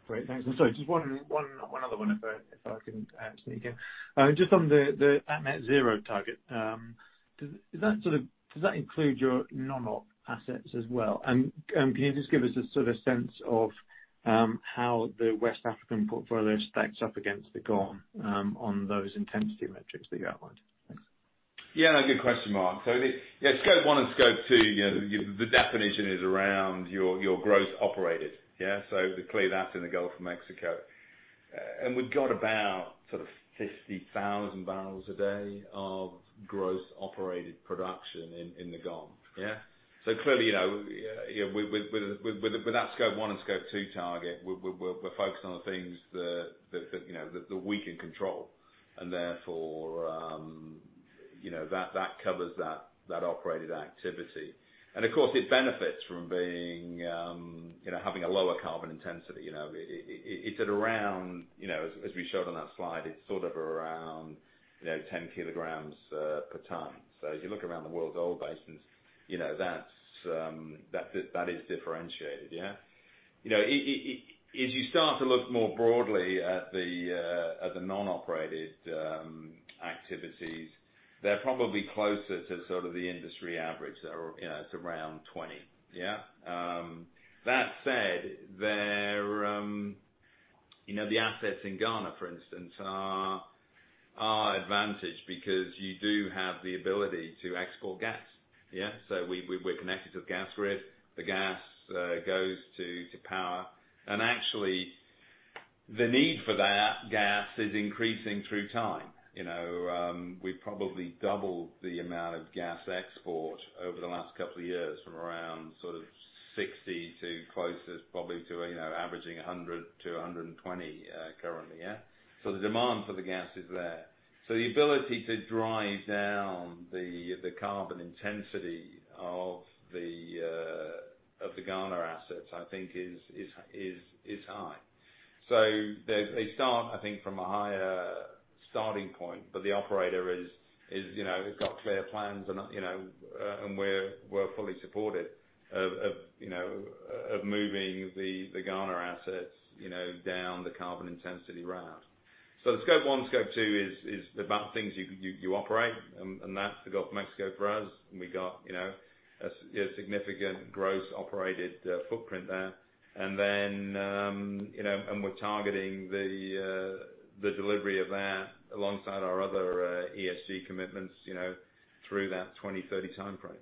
Great. Thanks. Just one other one, if I can sneak in. Just on the net-zero target. Does that include your non-op assets as well? Can you just give us a sense of how the West African portfolio stacks up against the GoM on those intensity metrics that you outlined? Thanks. Good question, Mark. The Scope 1 and Scope 2, the definition is around your gross operated. Yeah? Clearly, that's in the Gulf of Mexico. We've got about sort of 50,000 bbl a day of gross operated production in the GoM. Yeah? Clearly, with that Scope 1 and Scope 2 target, we're focused on the things that we can control. Therefore, that covers that operated activity. Of course, it benefits from having a lower carbon intensity. As we showed on that slide, it's sort of around 10 kg/t. As you look around the world's oil basins, that is differentiated, yeah? As you start to look more broadly at the non-operated activities, they're probably closer to sort of the industry average. It's around 20, yeah? That said, the assets in Ghana, for instance, are advantaged because you do have the ability to export gas. Yeah? We're connected to the gas grid. The gas goes to power. Actually, the need for that gas is increasing through time. We probably doubled the amount of gas export over the last couple of years from around sort of 60 to closest probably to averaging 100-120 currently, yeah? The demand for the gas is there. The ability to drive down the carbon intensity of the Ghana assets, I think is high. They start, I think, from a higher starting point, but the operator has got clear plans, and we're fully supportive of moving the Ghana assets down the carbon intensity route. The Scope 1, Scope 2 is about things you operate, and that's the Gulf of Mexico for us. We got a significant gross operated footprint there. We're targeting the delivery of that alongside our other ESG commitments through that 2030 time frame.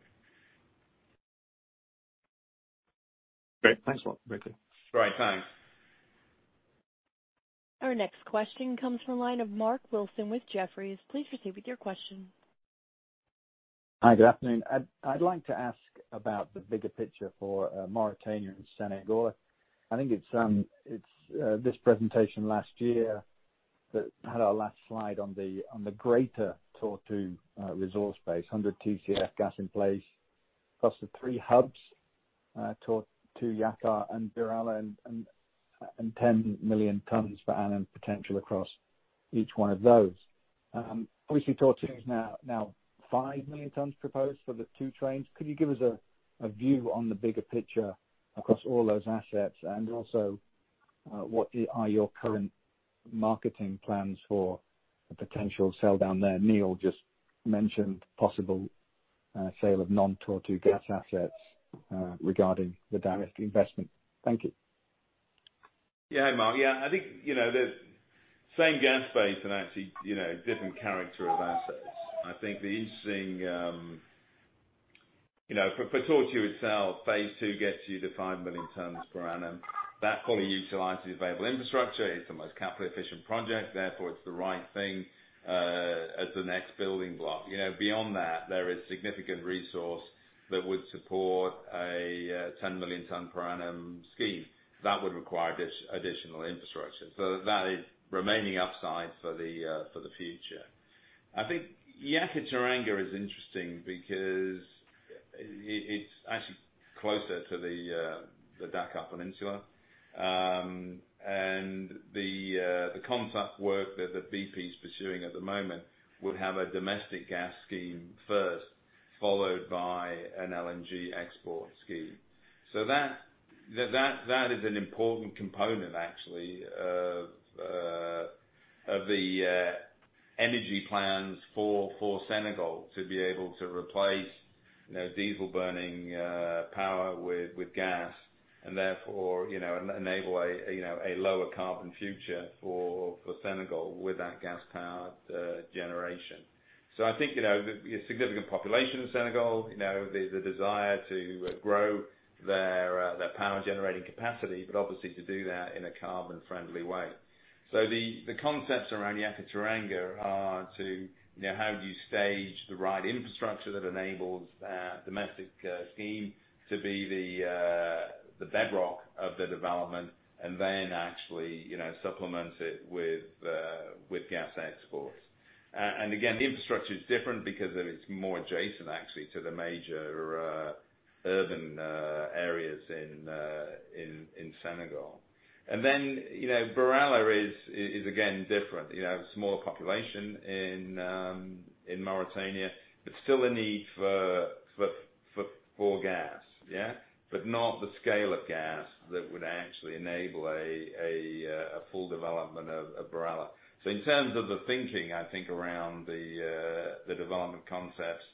Great. Thanks a lot, Andy. Great. Thanks. Our next question comes from line of Mark Wilson with Jefferies. Please proceed with your question. Hi. Good afternoon. I'd like to ask about the bigger picture for Mauritania and Senegal. I think it's this presentation last year that had our last slide on the Greater Tortue resource base, 100 Tcf gas in place across the three hubs, Tortue, Yakaar, and BirAllah, and 10 million tons per annum potential across each one of those. Obviously, Tortue is now 5 million tons proposed for the two trains. Could you give us a view on the bigger picture across all those assets? Also, what are your current marketing plans for a potential sell down there? Neal just mentioned possible sale of non-Tortue gas assets regarding the domestic investment. Thank you. Hi, Mark. I think the same gas basin and actually different character of assets. For Tortue itself, Phase 2 gets you to 5 million tons per annum. That fully utilizes available infrastructure. It's the most capital efficient project, therefore it's the right thing as the next building block. Beyond that, there is significant resource that would support a 10 million tons per annum scheme. That would require additional infrastructure. That is remaining upside for the future. I think Yakaar-Teranga is interesting because it's actually closer to the Dakar peninsula. The concept work that BP's pursuing at the moment would have a domestic gas scheme first, followed by an LNG export scheme. That is an important component, actually, of the energy plans for Senegal to be able to replace diesel burning power with gas. And therefore, enable a lower carbon future for Senegal with that gas-powered generation. I think, the significant population of Senegal, the desire to grow their power generating capacity, but obviously to do that in a carbon-friendly way. The concepts around Yakaar-Teranga are how do you stage the right infrastructure that enables that domestic scheme to be the bedrock of the development and then actually supplement it with gas exports. Again, the infrastructure is different because it's more adjacent actually to the major urban areas in Senegal. Then, BirAllah is again different. You have a smaller population in Mauritania, but still a need for gas. Not the scale of gas that would actually enable a full development of BirAllah. In terms of the thinking, I think around the development concepts,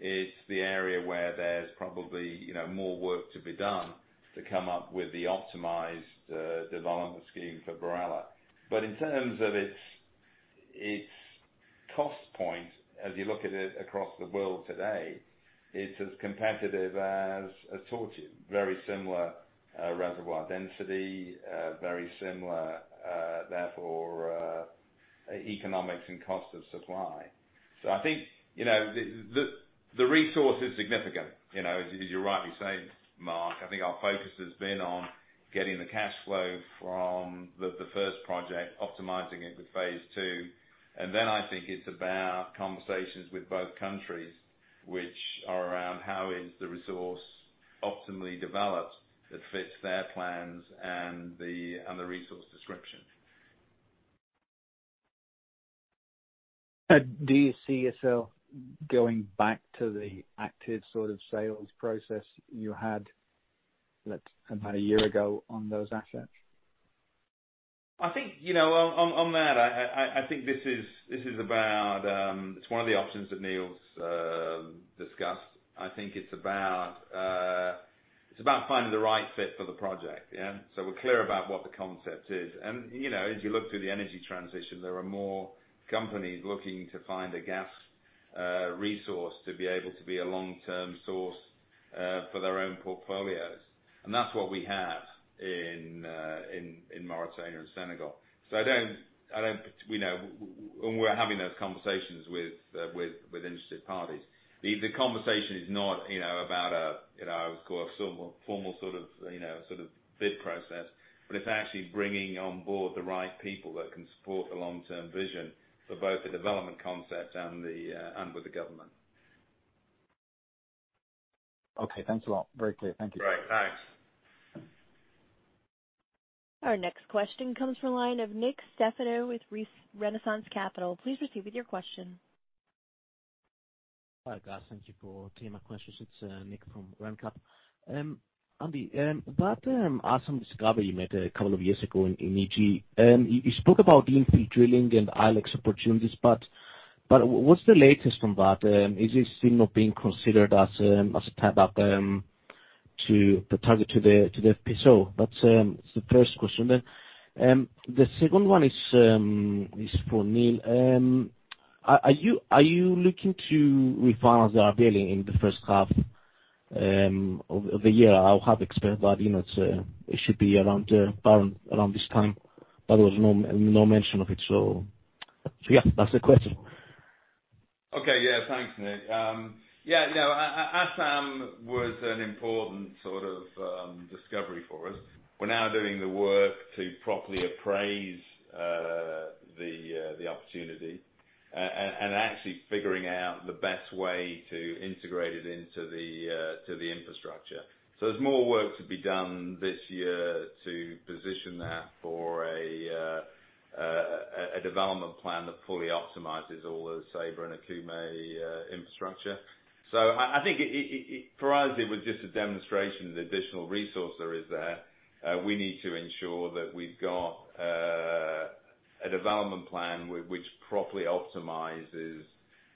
it's the area where there's probably more work to be done to come up with the optimized development scheme for BirAllah. In terms of its cost point, as you look at it across the world today, it's as competitive as Tortue. Very similar reservoir density, very similar therefore, economics and cost of supply. I think, the resource is significant. As you're rightly saying, Mark, I think our focus has been on getting the cash flow from the first project, optimizing it with Phase 2. I think it's about conversations with both countries, which are around how is the resource optimally developed that fits their plans and the resource description. Do you see yourself going back to the active sort of sales process you had about a year ago on those assets? On that, I think this is about, it's one of the options that Neal's discussed. I think it's about finding the right fit for the project. We're clear about what the concept is. As you look through the energy transition, there are more companies looking to find a gas resource to be able to be a long-term source for their own portfolios. That's what we have in Mauritania and Senegal. We're having those conversations with interested parties. The conversation is not about a formal sort of bid process, but it's actually bringing on board the right people that can support the long-term vision for both the development concept and with the government. Okay, thanks a lot. Very clear. Thank you. Great. Thanks. Our next question comes from the line of Nick Stefanou with Renaissance Capital. Please proceed with your question. Hi guys, thank you for taking my questions. It's Nick from Ren Cap. Andy, that ASAM discovery you made a couple of years ago in EG. You spoke about infill drilling and ILX opportunities. What's the latest on that? Is it still not being considered as a step-up to the target to the FPSO? That's the first question. The second one is for Neal. Are you looking to refinance the RBL in the first half of the year? I would have expected that it should be around this time. There was no mention of it. That's the question. Okay. Yeah, thanks, Nick. Asam was an important sort of discovery for us. We're now doing the work to properly appraise the opportunity and actually figuring out the best way to integrate it into the infrastructure. There's more work to be done this year to position that for a development plan that fully optimizes all the Ceiba and Okume infrastructure. I think for us, it was just a demonstration of the additional resource there is there. We need to ensure that we've got a development plan which properly optimizes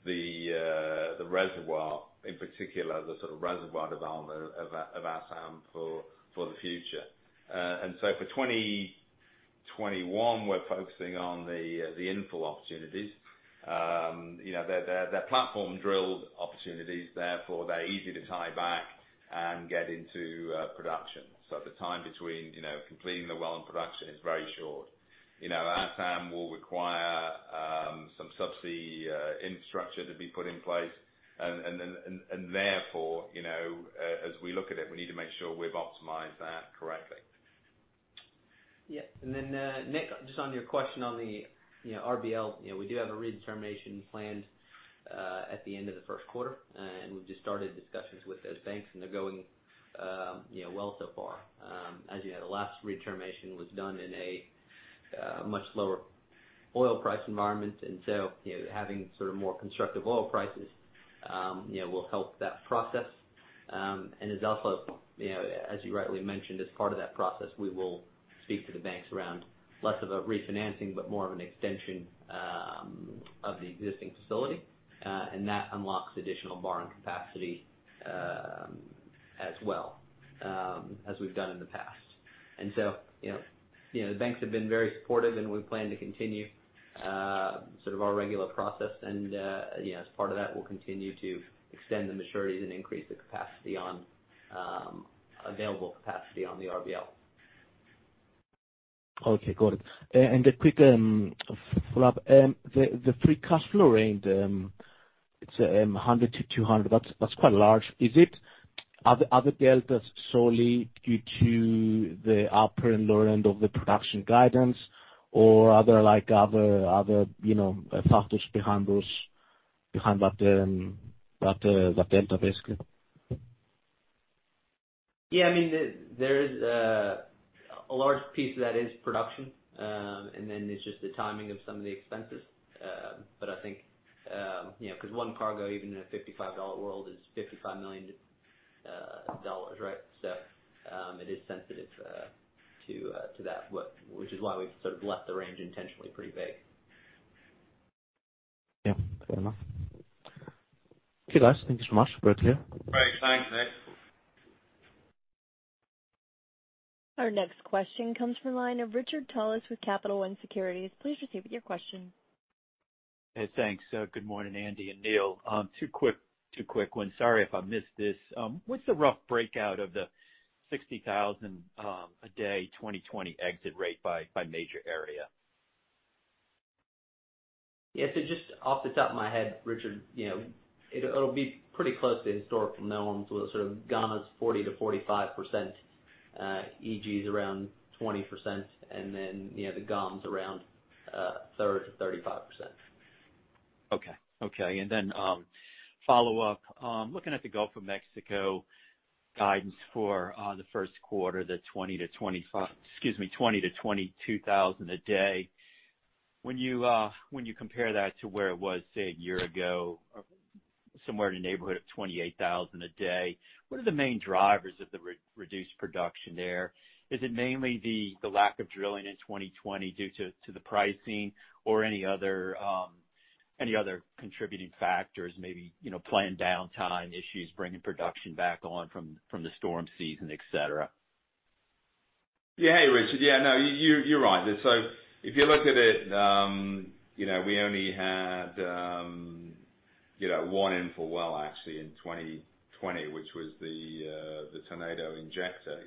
the reservoir, in particular, the sort of reservoir development of Asam for the future. For 2021, we're focusing on the infill opportunities. They're platform-drilled opportunities, therefore they're easy to tie back and get into production. The time between completing the well and production is very short. Asam will require some subsea infrastructure to be put in place. Therefore, as we look at it, we need to make sure we've optimized that correctly. Yeah. Then, Nick, just on your question on the RBL, we do have a redetermination planned at the end of the first quarter. We've just started discussions with those banks. They're going well so far. As you know, the last redetermination was done in a much lower oil price environment. Having sort of more constructive oil prices will help that process. As you rightly mentioned, as part of that process, we will speak to the banks around less of a refinancing, but more of an extension of the existing facility. That unlocks additional borrowing capacity as well, as we've done in the past. The banks have been very supportive. We plan to continue our sort of regular process. As part of that, we'll continue to extend the maturities and increase the available capacity on the RBL. Okay, got it. A quick follow-up. The free cash flow range, it's $100-$200. That's quite large. Are the deltas solely due to the upper and lower end of the production guidance, or are there other factors behind that delta, basically? A large piece of that is production, and then it's just the timing of some of the expenses. Because one cargo, even in a $55 world, is $55 million. It is sensitive to that, which is why we've left the range intentionally pretty vague. Yeah, fair enough. Okay, guys, thank you so much. We're clear. Great. Thanks, Nick. Our next question comes from the line of Richard Tullis with Capital One Securities. Please proceed with your question. Hey, thanks. Good morning, Andy and Neal. Two quick ones. Sorry if I missed this. What's the rough breakout of the 60,000 a day 2020 exit rate by major area? Yeah. Just off the top of my head, Richard, it'll be pretty close to historical norms, with sort of Ghana's 40%-45%, EG's around 20%, and then the GoM's around 30%-35%. Okay. Follow-up. Looking at the Gulf of Mexico guidance for the first quarter, the 20,000-22,000 a day. When you compare that to where it was, say, a year ago, somewhere in the neighborhood of 28,000 a day, what are the main drivers of the reduced production there? Is it mainly the lack of drilling in 2020 due to the pricing or any other contributing factors, maybe planned downtime issues, bringing production back on from the storm season, et cetera? Yeah. Hey, Richard. No, you're right. If you look at it, we only had one infill well actually in 2020, which was the Tornado Injector.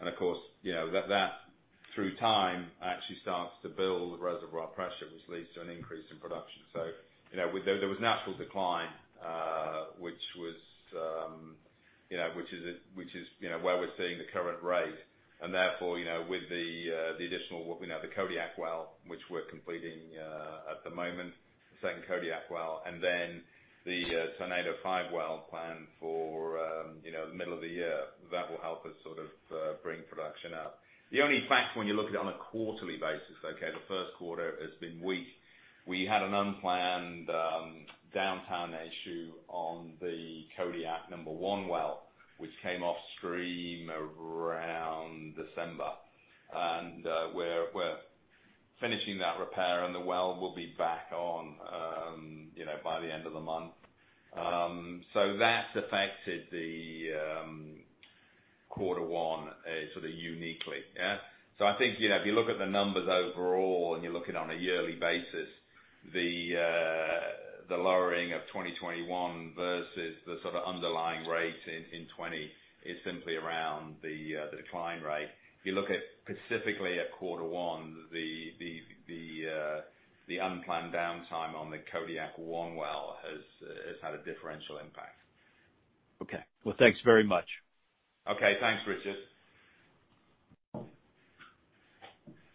Of course, that through time actually starts to build reservoir pressure, which leads to an increase in production. There was natural decline, which is where we're seeing the current rate. Therefore, with the additional what we know, the Kodiak well, which we're completing at the moment, the second Kodiak well, and then the Tornado-5 well plan for the middle of the year. That will help us sort of bring production up. The only factor when you look at it on a quarterly basis, okay, the first quarter has been weak. We had an unplanned downtime issue on the Kodiak number one well, which came off stream around December. We're finishing that repair, and the well will be back on by the end of the month. That's affected the quarter one sort of uniquely. I think, if you look at the numbers overall, and you look at it on a yearly basis, the lowering of 2021 versus the sort of underlying rate in 2020 is simply around the decline rate. If you look specifically at quarter one, the unplanned downtime on the Kodiak one well has had a differential impact. Okay. Well, thanks very much. Okay. Thanks, Richard.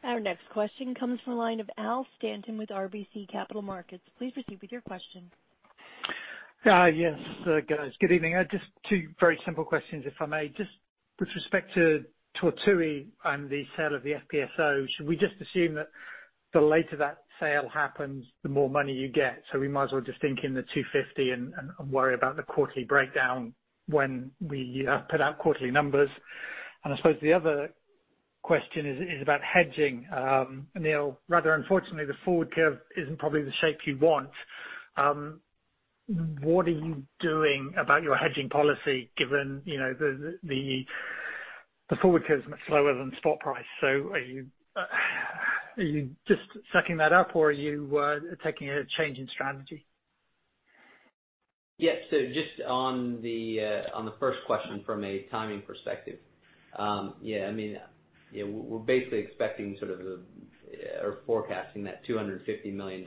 Our next question comes from the line of Al Stanton with RBC Capital Markets. Please proceed with your question. Yes, guys. Good evening. Just two very simple questions, if I may. Just with respect to Tortue and the sale of the FPSO, should we just assume that the later that sale happens, the more money you get? We might as well just think in the $250 million and worry about the quarterly breakdown when we put out quarterly numbers. I suppose the other question is about hedging. Neal, rather unfortunately, the forward curve isn't probably the shape you want. What are you doing about your hedging policy, given the forward curve is much lower than spot price? Are you just sucking that up, or are you taking a change in strategy? Just on the first question from a timing perspective. We're basically expecting or forecasting that $250 million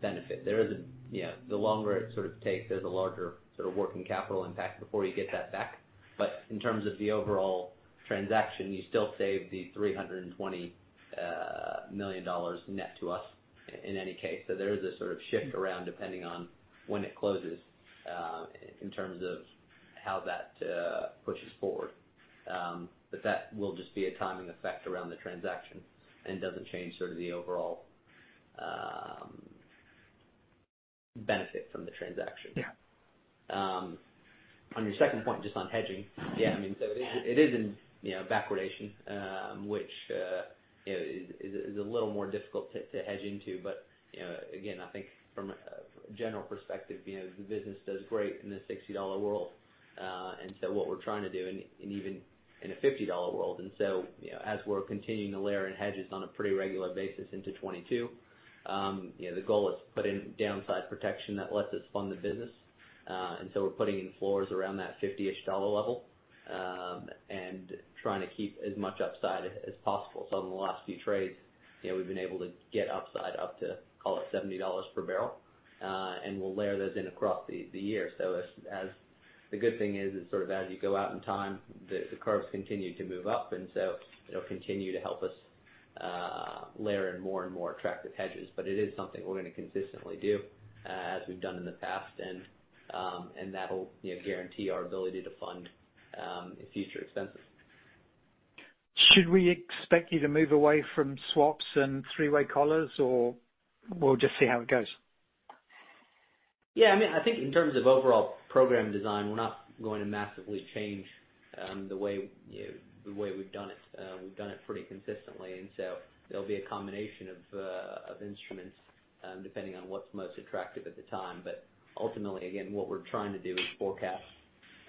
benefit. The longer it takes, there's a larger working capital impact before you get that back. In terms of the overall transaction, you still save the $320 million net to us in any case. There is a sort of shift around depending on when it closes, in terms of how that pushes forward. That will just be a timing effect around the transaction and doesn't change sort of the overall benefit from the transaction. Yeah. On your second point, just on hedging. Yeah. It is in backwardation, which is a little more difficult to hedge into. Again, I think from a general perspective, the business does great in the $60 world. What we're trying to do, even in a $50 world, as we're continuing to layer in hedges on a pretty regular basis into 2022, the goal is to put in downside protection that lets us fund the business. We're putting in floors around that $50-ish level, and trying to keep as much upside as possible. In the last few trades, we've been able to get upside up to, call it $70 per barrel. We'll layer those in across the year. The good thing is that sort of as you go out in time, the curves continue to move up, and so it'll continue to help us layer in more and more attractive hedges. It is something we're going to consistently do, as we've done in the past. That'll guarantee our ability to fund future expenses. Should we expect you to move away from swaps and three-way collars, or we'll just see how it goes? Yeah. I think in terms of overall program design, we're not going to massively change the way we've done it. We've done it pretty consistently. There'll be a combination of instruments, depending on what's most attractive at the time. Ultimately, again, what we're trying to do is forecast,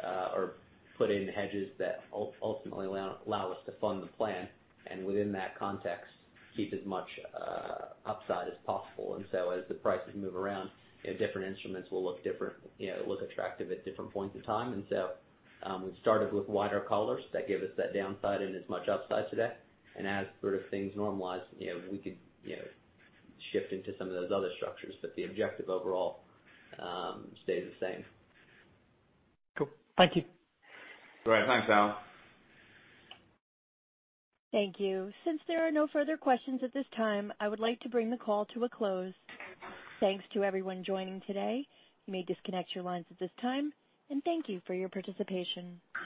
or put in hedges that ultimately allow us to fund the plan, and within that context, keep as much upside as possible. As the prices move around, different instruments will look attractive at different points in time. We've started with wider collars that give us that downside and as much upside today. As things normalize, we could shift into some of those other structures. The objective overall stays the same. Cool. Thank you. Great. Thanks, Al. Thank you. Since there are no further questions at this time, I would like to bring the call to a close. Thanks to everyone joining today. You may disconnect your lines at this time, and thank you for your participation.